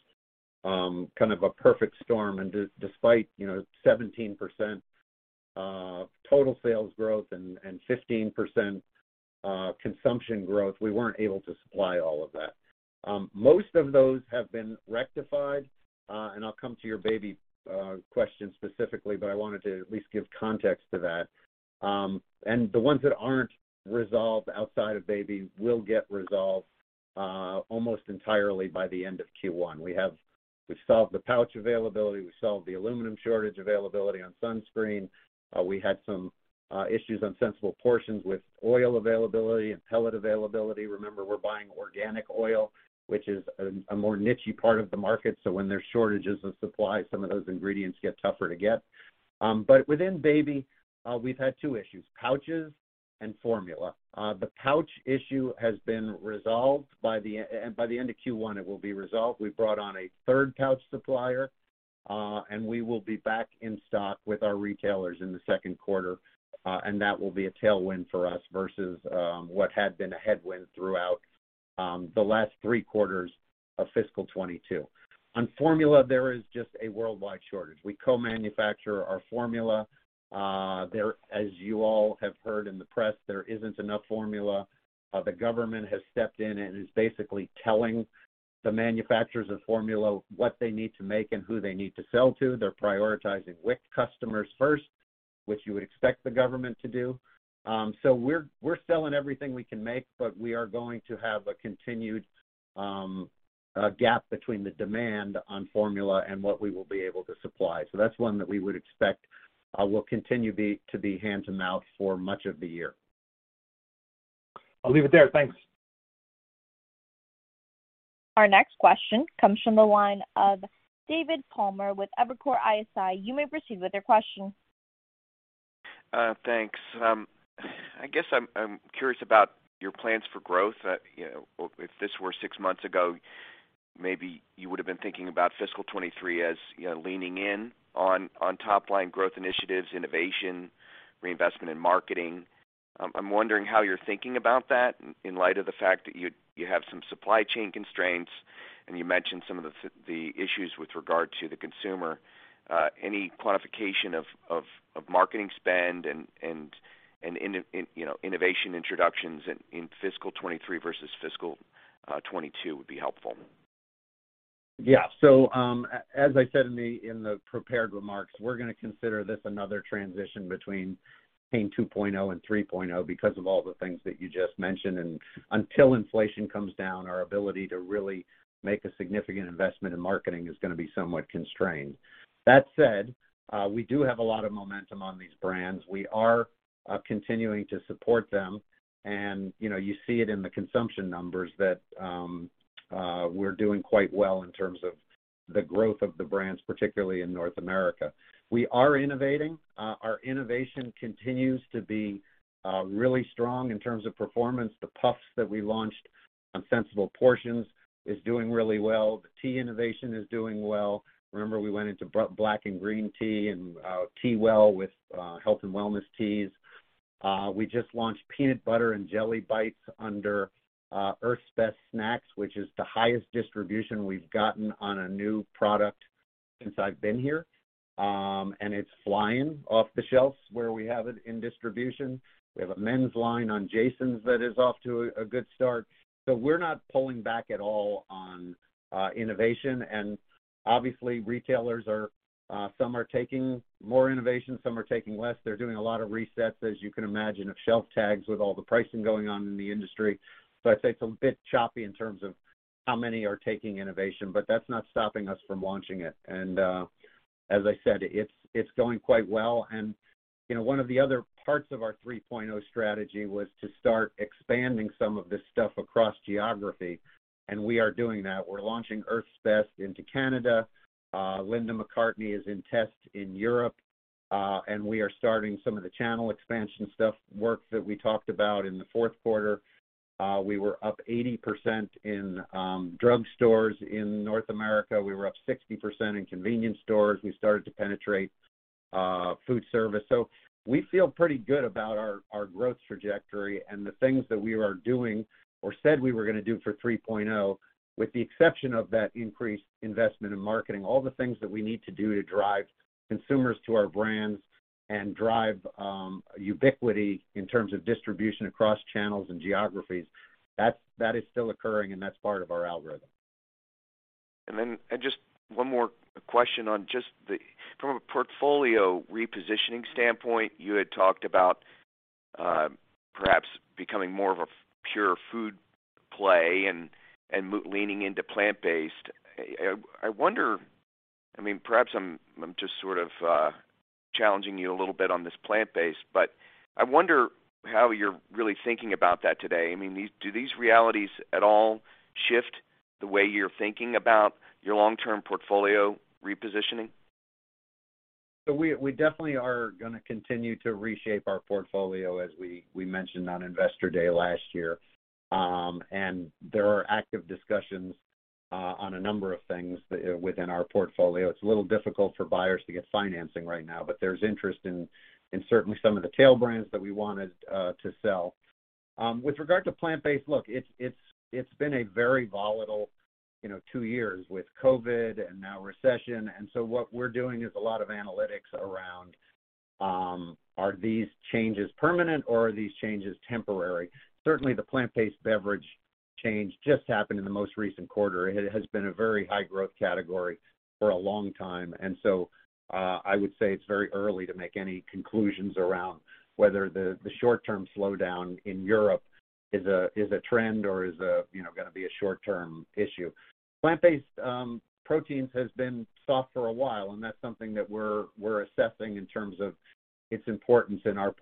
kind of a perfect storm. Despite, you know, 17% total sales growth and 15% consumption growth, we weren't able to supply all of that. Most of those have been rectified, and I'll come to your baby question specifically, but I wanted to at least give context to that. The ones that aren't resolved outside of baby will get resolved almost entirely by the end of Q1. We've solved the pouch availability. We solved the aluminum shortage availability on sunscreen. We had some issues on Sensible Portions with oil availability and pellet availability. Remember, we're buying organic oil, which is a more niche-y part of the market, so when there's shortages of supply, some of those ingredients get tougher to get. Within baby, we've had two issues, pouches and formula. The pouch issue has been resolved by the end of Q1. It will be resolved. We brought on a third pouch supplier, and we will be back in stock with our retailers in the second quarter, and that will be a tailwind for us versus what had been a headwind throughout the last three quarters of fiscal 2022. On formula, there is just a worldwide shortage. We co-manufacture our formula. As you all have heard in the press, there isn't enough formula. The government has stepped in and is basically telling the manufacturers of formula what they need to make and who they need to sell to. They're prioritizing WIC customers first, which you would expect the government to do. We're selling everything we can make, but we are going to have a continued gap between the demand on formula and what we will be able to supply. That's one that we would expect will continue to be hand-to-mouth for much of the year. I'll leave it there. Thanks. Our next question comes from the line of David Palmer with Evercore ISI. You may proceed with your question. Thanks. I guess I'm curious about your plans for growth. You know, if this were six months ago, maybe you would've been thinking about fiscal 2023, you know, leaning in on top line growth initiatives, innovation, reinvestment in marketing. I'm wondering how you're thinking about that in light of the fact that you have some supply chain constraints, and you mentioned some of the issues with regard to the consumer. Any quantification of marketing spend and, you know, innovation introductions in fiscal 2023 versus fiscal 2022 would be helpful. Yeah. As I said in the prepared remarks, we're gonna consider this another transition between Hain 2.0 and 3.0 because of all the things that you just mentioned. Until inflation comes down, our ability to really make a significant investment in marketing is gonna be somewhat constrained. That said, we do have a lot of momentum on these brands. We are continuing to support them and, you know, you see it in the consumption numbers that we're doing quite well in terms of the growth of the brands, particularly in North America. We are innovating. Our innovation continues to be really strong in terms of performance. The puffs that we launched on Sensible Portions is doing really well. The tea innovation is doing well. Remember we went into black and green tea and TeaWell with health and wellness teas. We just launched peanut butter and jelly bites under Earth's Best Snacks, which is the highest distribution we've gotten on a new product since I've been here. It's flying off the shelves where we have it in distribution. We have a men's line on JASON that is off to a good start. We're not pulling back at all on innovation. Obviously retailers are some are taking more innovation, some are taking less. They're doing a lot of resets, as you can imagine, of shelf tags with all the pricing going on in the industry. I'd say it's a bit choppy in terms of how many are taking innovation, but that's not stopping us from launching it. As I said, it's going quite well. You know, one of the other parts of our 3.0 strategy was to start expanding some of this stuff across geography, and we are doing that. We're launching Earth's Best into Canada. Linda McCartney's is in test in Europe. And we are starting some of the channel expansion stuff work that we talked about in the fourth quarter. We were up 80% in drugstores in North America. We were up 60% in convenience stores. We started to penetrate food service. We feel pretty good about our growth trajectory and the things that we are doing or said we were gonna do for 3.0, with the exception of that increased investment in marketing. All the things that we need to do to drive consumers to our brands and drive ubiquity in terms of distribution across channels and geographies, that is still occurring and that's part of our algorithm. From a portfolio repositioning standpoint, you had talked about perhaps becoming more of a pure food play and leaning into plant-based. I wonder, I mean, perhaps I'm just sort of challenging you a little bit on this plant-based, but I wonder how you're really thinking about that today. I mean, do these realities at all shift the way you're thinking about your long-term portfolio repositioning? We definitely are gonna continue to reshape our portfolio as we mentioned on Investor Day last year. There are active discussions on a number of things within our portfolio. It's a little difficult for buyers to get financing right now, but there's interest in certainly some of the tail brands that we wanted to sell. With regard to plant-based, it's been a very volatile, you know, two years with COVID and now recession. What we're doing is a lot of analytics around, are these changes permanent or are these changes temporary? Certainly, the plant-based beverage change just happened in the most recent quarter. It has been a very high growth category for a long time. I would say it's very early to make any conclusions around whether the short-term slowdown in Europe is a trend or is a you know gonna be a short-term issue. Plant-based proteins has been soft for a while, and that's something that we're assessing in terms of its importance in our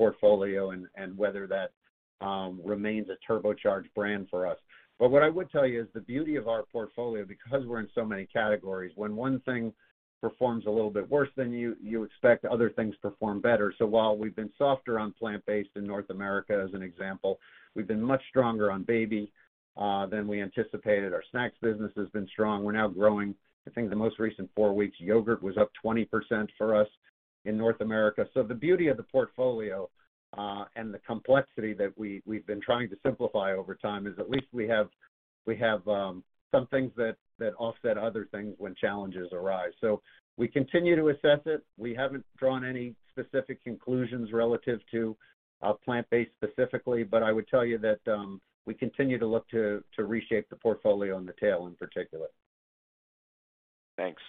portfolio and whether that remains a turbocharged brand for us. What I would tell you is the beauty of our portfolio, because we're in so many categories, when one thing performs a little bit worse than you expect other things perform better. While we've been softer on plant-based in North America as an example, we've been much stronger on baby than we anticipated. Our snacks business has been strong. We're now growing, I think the most recent four weeks, yogurt was up 20% for us in North America. The beauty of the portfolio and the complexity that we've been trying to simplify over time is at least we have some things that offset other things when challenges arise. We continue to assess it. We haven't drawn any specific conclusions relative to plant-based specifically, but I would tell you that we continue to look to reshape the portfolio on the tail in particular. Thanks.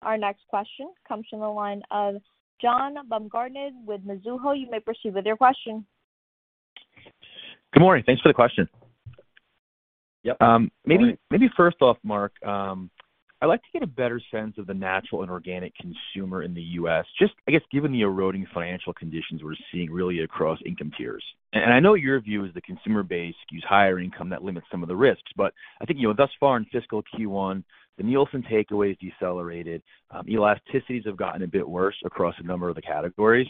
Our next question comes from the line of John Baumgartner with Mizuho. You may proceed with your question. Good morning. Thanks for the question. Yep. Good morning. Maybe first off, Mark, I'd like to get a better sense of the natural and organic consumer in the U.S. just, I guess, given the eroding financial conditions we're seeing really across income tiers. I know your view is the consumer base skews higher income, that limits some of the risks. I think, you know, thus far in fiscal Q1, the Nielsen takeaway has decelerated. Elasticities have gotten a bit worse across a number of the categories.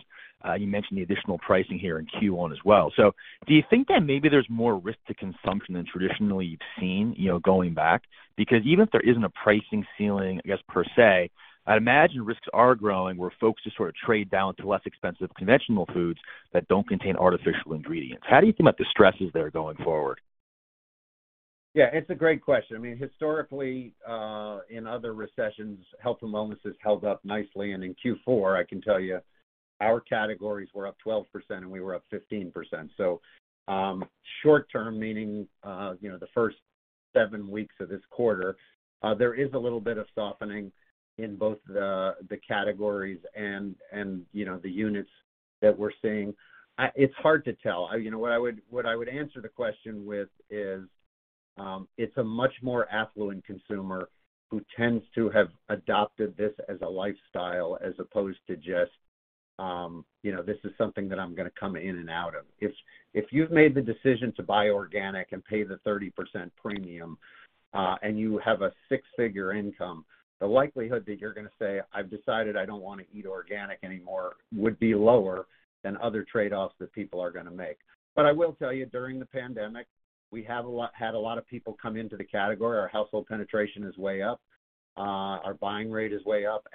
You mentioned the additional pricing here in Q1 as well. Do you think that maybe there's more risk to consumption than traditionally you've seen, you know, going back? Because even if there isn't a pricing ceiling, I guess per se, I'd imagine risks are growing where folks just sort of trade down to less expensive conventional foods that don't contain artificial ingredients. How do you think about the stresses there going forward? Yeah, it's a great question. I mean, historically, in other recessions, health and wellness has held up nicely. In Q4, I can tell you our categories were up 12% and we were up 15%. Short term, meaning, you know, the first seven weeks of this quarter, there is a little bit of softening in both the categories and, you know, the units that we're seeing. It's hard to tell. You know what I would answer the question with is, it's a much more affluent consumer who tends to have adopted this as a lifestyle as opposed to just, you know, this is something that I'm gonna come in and out of. If you've made the decision to buy organic and pay the 30% premium, and you have a six-figure income, the likelihood that you're gonna say, "I've decided I don't wanna eat organic anymore," would be lower than other trade-offs that people are gonna make. But I will tell you, during the pandemic, we had a lot of people come into the category. Our household penetration is way up. Our buying rate is way up.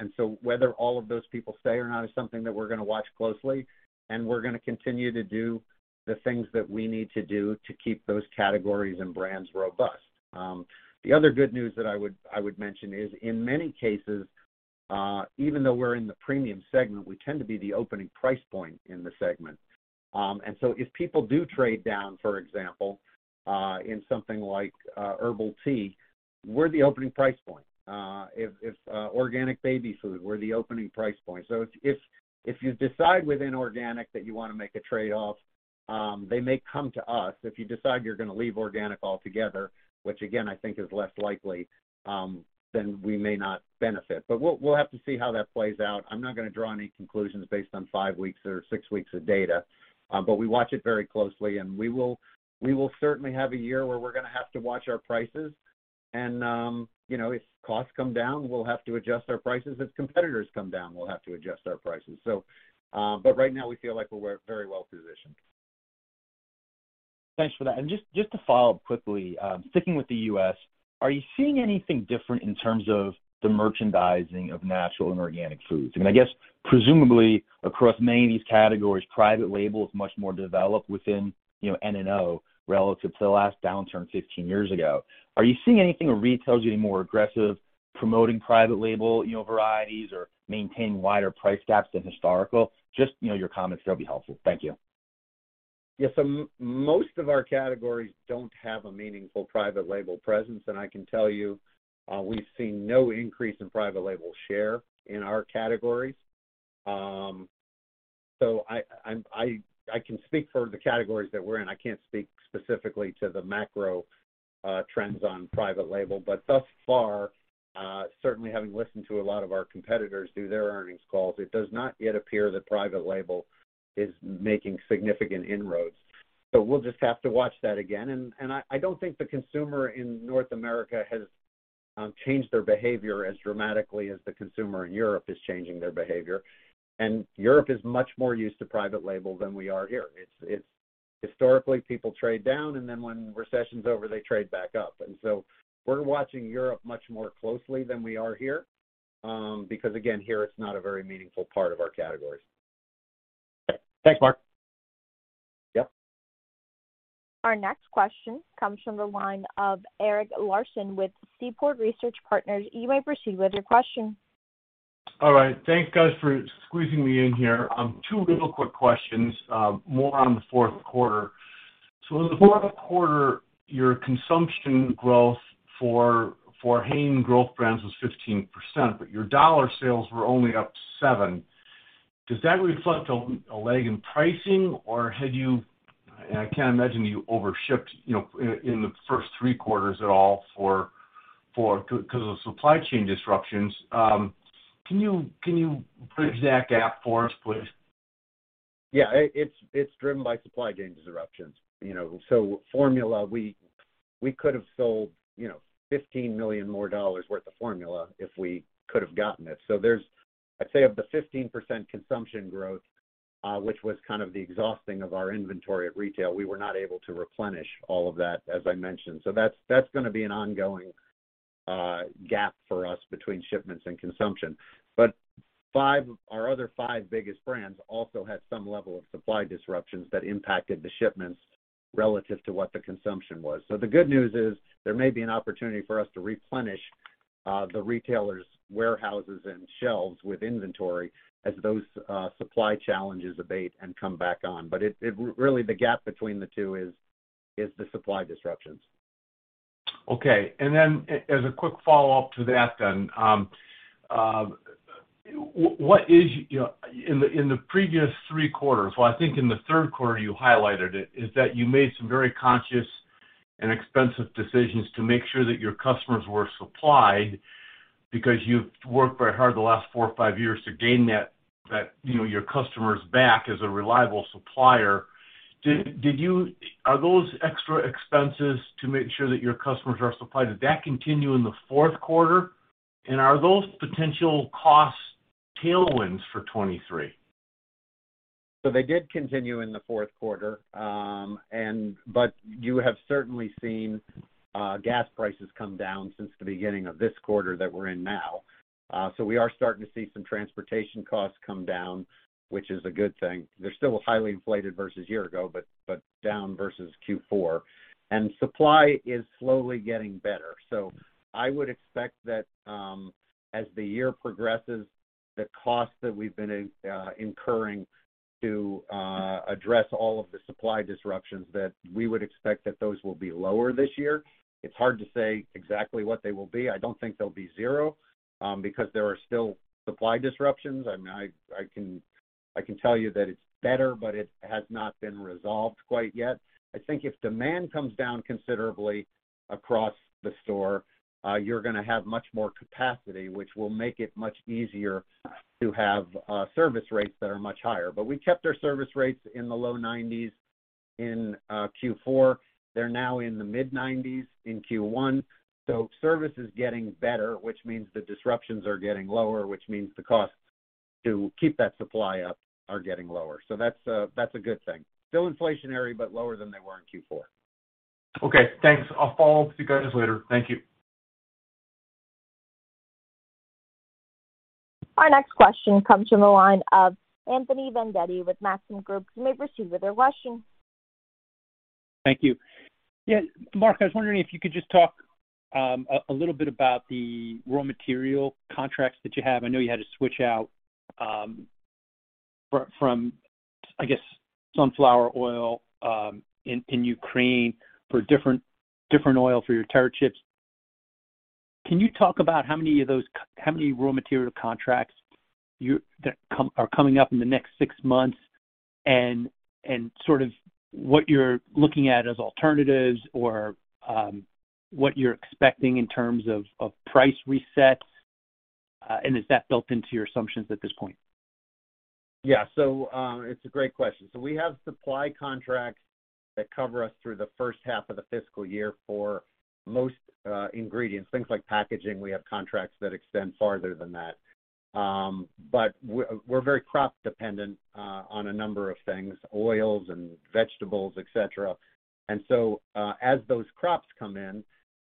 Whether all of those people stay or not is something that we're gonna watch closely, and we're gonna continue to do the things that we need to do to keep those categories and brands robust. The other good news that I would mention is in many cases, even though we're in the premium segment, we tend to be the opening price point in the segment. If people do trade down, for example, in something like herbal tea, we're the opening price point. In organic baby food, we're the opening price point. If you decide within organic that you wanna make a trade-off, they may come to us. If you decide you're gonna leave organic altogether, which again, I think is less likely, then we may not benefit. We'll have to see how that plays out. I'm not gonna draw any conclusions based on five weeks or six weeks of data, but we watch it very closely and we will certainly have a year where we're gonna have to watch our prices and, you know, if costs come down, we'll have to adjust our prices. If competitors come down, we'll have to adjust our prices. Right now we feel like we're very well-positioned. Thanks for that. Just to follow up quickly, sticking with the U.S., are you seeing anything different in terms of the merchandising of natural and organic foods? I mean, I guess presumably across many of these categories, private label is much more developed within, you know, N&O relative to the last downturn 15 years ago. Are you seeing anything where retail is getting more aggressive promoting private label, you know, varieties or maintaining wider price gaps than historical? Just, you know, your comments there'll be helpful. Thank you. Yes. Most of our categories don't have a meaningful private label presence. I can tell you, we've seen no increase in private label share in our categories. I can speak for the categories that we're in. I can't speak specifically to the macro trends on private label. Thus far, certainly having listened to a lot of our competitors do their earnings calls, it does not yet appear that private label is making significant inroads. We'll just have to watch that again. I don't think the consumer in North America has changed their behavior as dramatically as the consumer in Europe is changing their behavior. Europe is much more used to private label than we are here. It's historically people trade down, and then when recession's over, they trade back up. We're watching Europe much more closely than we are here, because again, here it's not a very meaningful part of our categories. Okay. Thanks, Mark. Yep. Our next question comes from the line of Eric Larson with Seaport Research Partners. You may proceed with your question. All right. Thank you guys for squeezing me in here. Two real quick questions, more on the fourth quarter. In the fourth quarter, your consumption growth for Hain Growth Brands was 15%, but your dollar sales were only up 7%. Does that reflect a lag in pricing, and I can't imagine you overshipped, you know, in the first three quarters at all because of supply chain disruptions. Can you bridge that gap for us, please? Yeah. It's driven by supply chain disruptions. You know, so formula, we could have sold, you know, $15 million worth of formula if we could have gotten it. There's I'd say of the 15% consumption growth, which was kind of the exhausting of our inventory at retail. We were not able to replenish all of that, as I mentioned. That's gonna be an ongoing gap for us between shipments and consumption. Our other five biggest brands also had some level of supply disruptions that impacted the shipments relative to what the consumption was. The good news is there may be an opportunity for us to replenish the retailers' warehouses and shelves with inventory as those supply challenges abate and come back on. It really, the gap between the two is the supply disruptions. Okay. As a quick follow-up to that, what is, you know, in the previous three quarters, well, I think in the third quarter you highlighted it, is that you made some very conscious and expensive decisions to make sure that your customers were supplied because you've worked very hard the last four or five years to gain that, you know, your customers back as a reliable supplier. Are those extra expenses to make sure that your customers are supplied, did that continue in the fourth quarter? And are those potential cost tailwinds for 2023? They did continue in the fourth quarter. You have certainly seen gas prices come down since the beginning of this quarter that we're in now. We are starting to see some transportation costs come down, which is a good thing. They're still highly inflated versus a year ago, but down versus Q4. Supply is slowly getting better. I would expect that as the year progresses, the cost that we've been incurring to address all of the supply disruptions, that we would expect that those will be lower this year. It's hard to say exactly what they will be. I don't think they'll be zero, because there are still supply disruptions. I mean, I can tell you that it's better, but it has not been resolved quite yet. I think if demand comes down considerably across the store, you're gonna have much more capacity, which will make it much easier to have service rates that are much higher. We kept our service rates in the low 90s% in Q4. They're now in the mid-90s% in Q1. Service is getting better, which means the disruptions are getting lower, which means the cost to keep that supply up are getting lower. That's a good thing. Still inflationary, but lower than they were in Q4. Okay, thanks. I'll follow up with you guys later. Thank you. Our next question comes from the line of Anthony Vendetti with Maxim Group. You may proceed with your question. Thank you. Yeah, Mark, I was wondering if you could just talk a little bit about the raw material contracts that you have. I know you had to switch out from, I guess, sunflower oil in Ukraine for different oil for your TERRA chips. Can you talk about how many raw material contracts that are coming up in the next six months and sort of what you're looking at as alternatives or what you're expecting in terms of price resets? Is that built into your assumptions at this point? Yeah. It's a great question. We have supply contracts that cover us through the first half of the fiscal year for most ingredients. Things like packaging, we have contracts that extend farther than that. We're very crop dependent on a number of things, oils and vegetables, et cetera. As those crops come in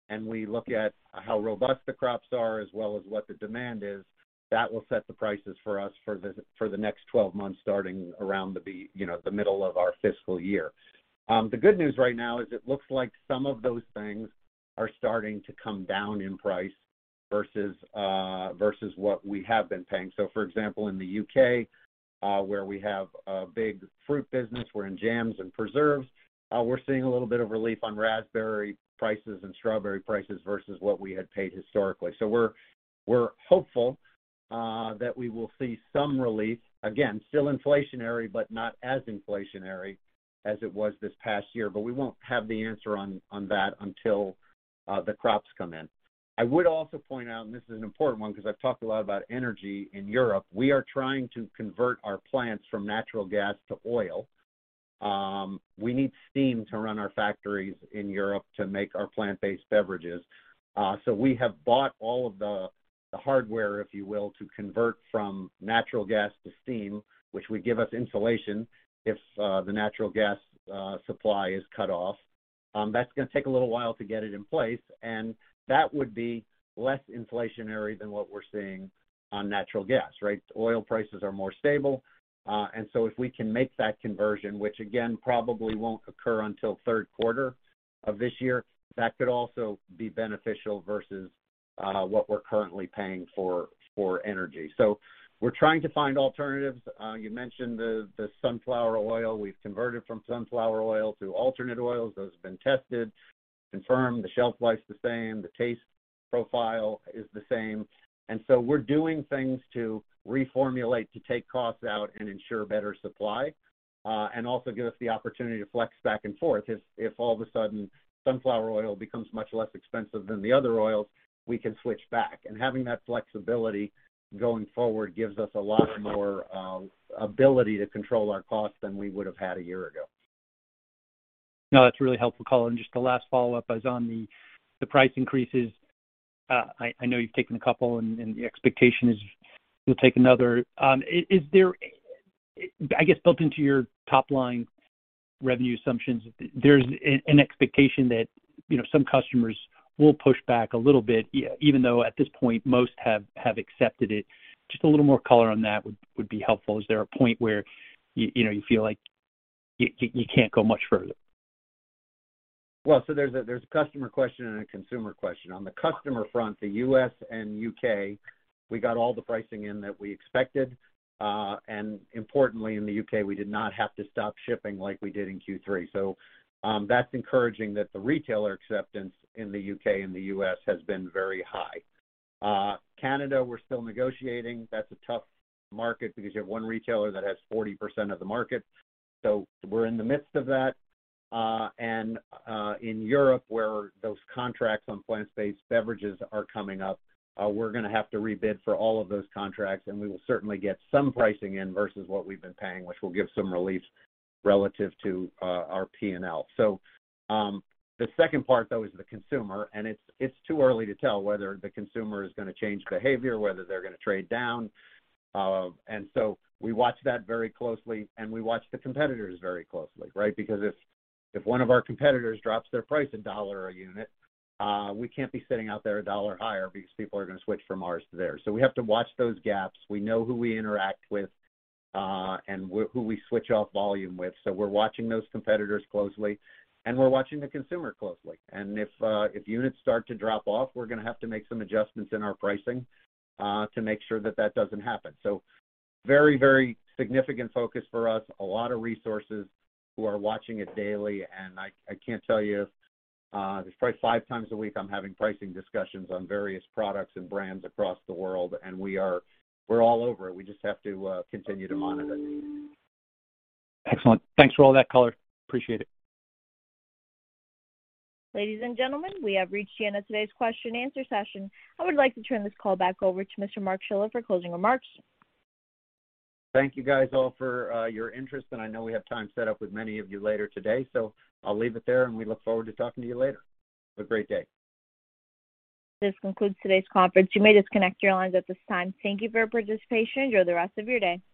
and we look at how robust the crops are as well as what the demand is, that will set the prices for us for the next 12 months, starting around the you know, the middle of our fiscal year. The good news right now is it looks like some of those things are starting to come down in price versus what we have been paying. For example, in the U.K., where we have a big fruit business, we're in jams and preserves, we're seeing a little bit of relief on raspberry prices and strawberry prices versus what we had paid historically. We're hopeful that we will see some relief. Again, still inflationary, but not as inflationary as it was this past year. We won't have the answer on that until the crops come in. I would also point out, and this is an important one because I've talked a lot about energy in Europe, we are trying to convert our plants from natural gas to oil. We need steam to run our factories in Europe to make our plant-based beverages. We have bought all of the hardware, if you will, to convert from natural gas to steam, which would give us insulation if the natural gas supply is cut off. That's gonna take a little while to get it in place, and that would be less inflationary than what we're seeing on natural gas, right? Oil prices are more stable. If we can make that conversion, which again probably won't occur until third quarter of this year, that could also be beneficial versus what we're currently paying for energy. We're trying to find alternatives. You mentioned the sunflower oil. We've converted from sunflower oil to alternate oils. Those have been tested, confirmed. The shelf life's the same, the taste profile is the same. We're doing things to reformulate, to take costs out and ensure better supply, and also give us the opportunity to flex back and forth. If all of a sudden sunflower oil becomes much less expensive than the other oils, we can switch back. Having that flexibility going forward gives us a lot more ability to control our costs than we would have had a year ago. No, that's really helpful color. Just the last follow-up is on the price increases. I know you've taken a couple and the expectation is you'll take another. Is there, I guess, built into your top line revenue assumptions, there's an expectation that, you know, some customers will push back a little bit even though at this point, most have accepted it. Just a little more color on that would be helpful. Is there a point where you know you feel like you can't go much further? There's a customer question and a consumer question. On the customer front, the U.S. and U.K., we got all the pricing in that we expected. Importantly in the U.K., we did not have to stop shipping like we did in Q3. That's encouraging that the retailer acceptance in the U.K. and the U.S. has been very high. Canada, we're still negotiating. That's a tough market because you have one retailer that has 40% of the market. We're in the midst of that. In Europe, where those contracts on plant-based beverages are coming up, we're gonna have to rebid for all of those contracts, and we will certainly get some pricing in versus what we've been paying, which will give some relief relative to our P&L. The second part, though, is the consumer, and it's too early to tell whether the consumer is gonna change behavior, whether they're gonna trade down. We watch that very closely and we watch the competitors very closely, right? Because if one of our competitors drops their price a dollar a unit, we can't be sitting out there a dollar higher because people are gonna switch from ours to theirs. We have to watch those gaps. We know who we interact with, and who we switch off volume with. We're watching those competitors closely, and we're watching the consumer closely. If units start to drop off, we're gonna have to make some adjustments in our pricing, to make sure that that doesn't happen. Very, very significant focus for us. A lot of resources who are watching it daily, and I can't tell you, there's probably five times a week I'm having pricing discussions on various products and brands across the world. We're all over it. We just have to continue to monitor. Excellent. Thanks for all that color. Appreciate it. Ladies and gentlemen, we have reached the end of today's question and answer session. I would like to turn this call back over to Mr. Mark Schiller for closing remarks. Thank you guys all for your interest, and I know we have time set up with many of you later today, so I'll leave it there, and we look forward to talking to you later. Have a great day. This concludes today's conference. You may disconnect your lines at this time. Thank you for your participation. Enjoy the rest of your day.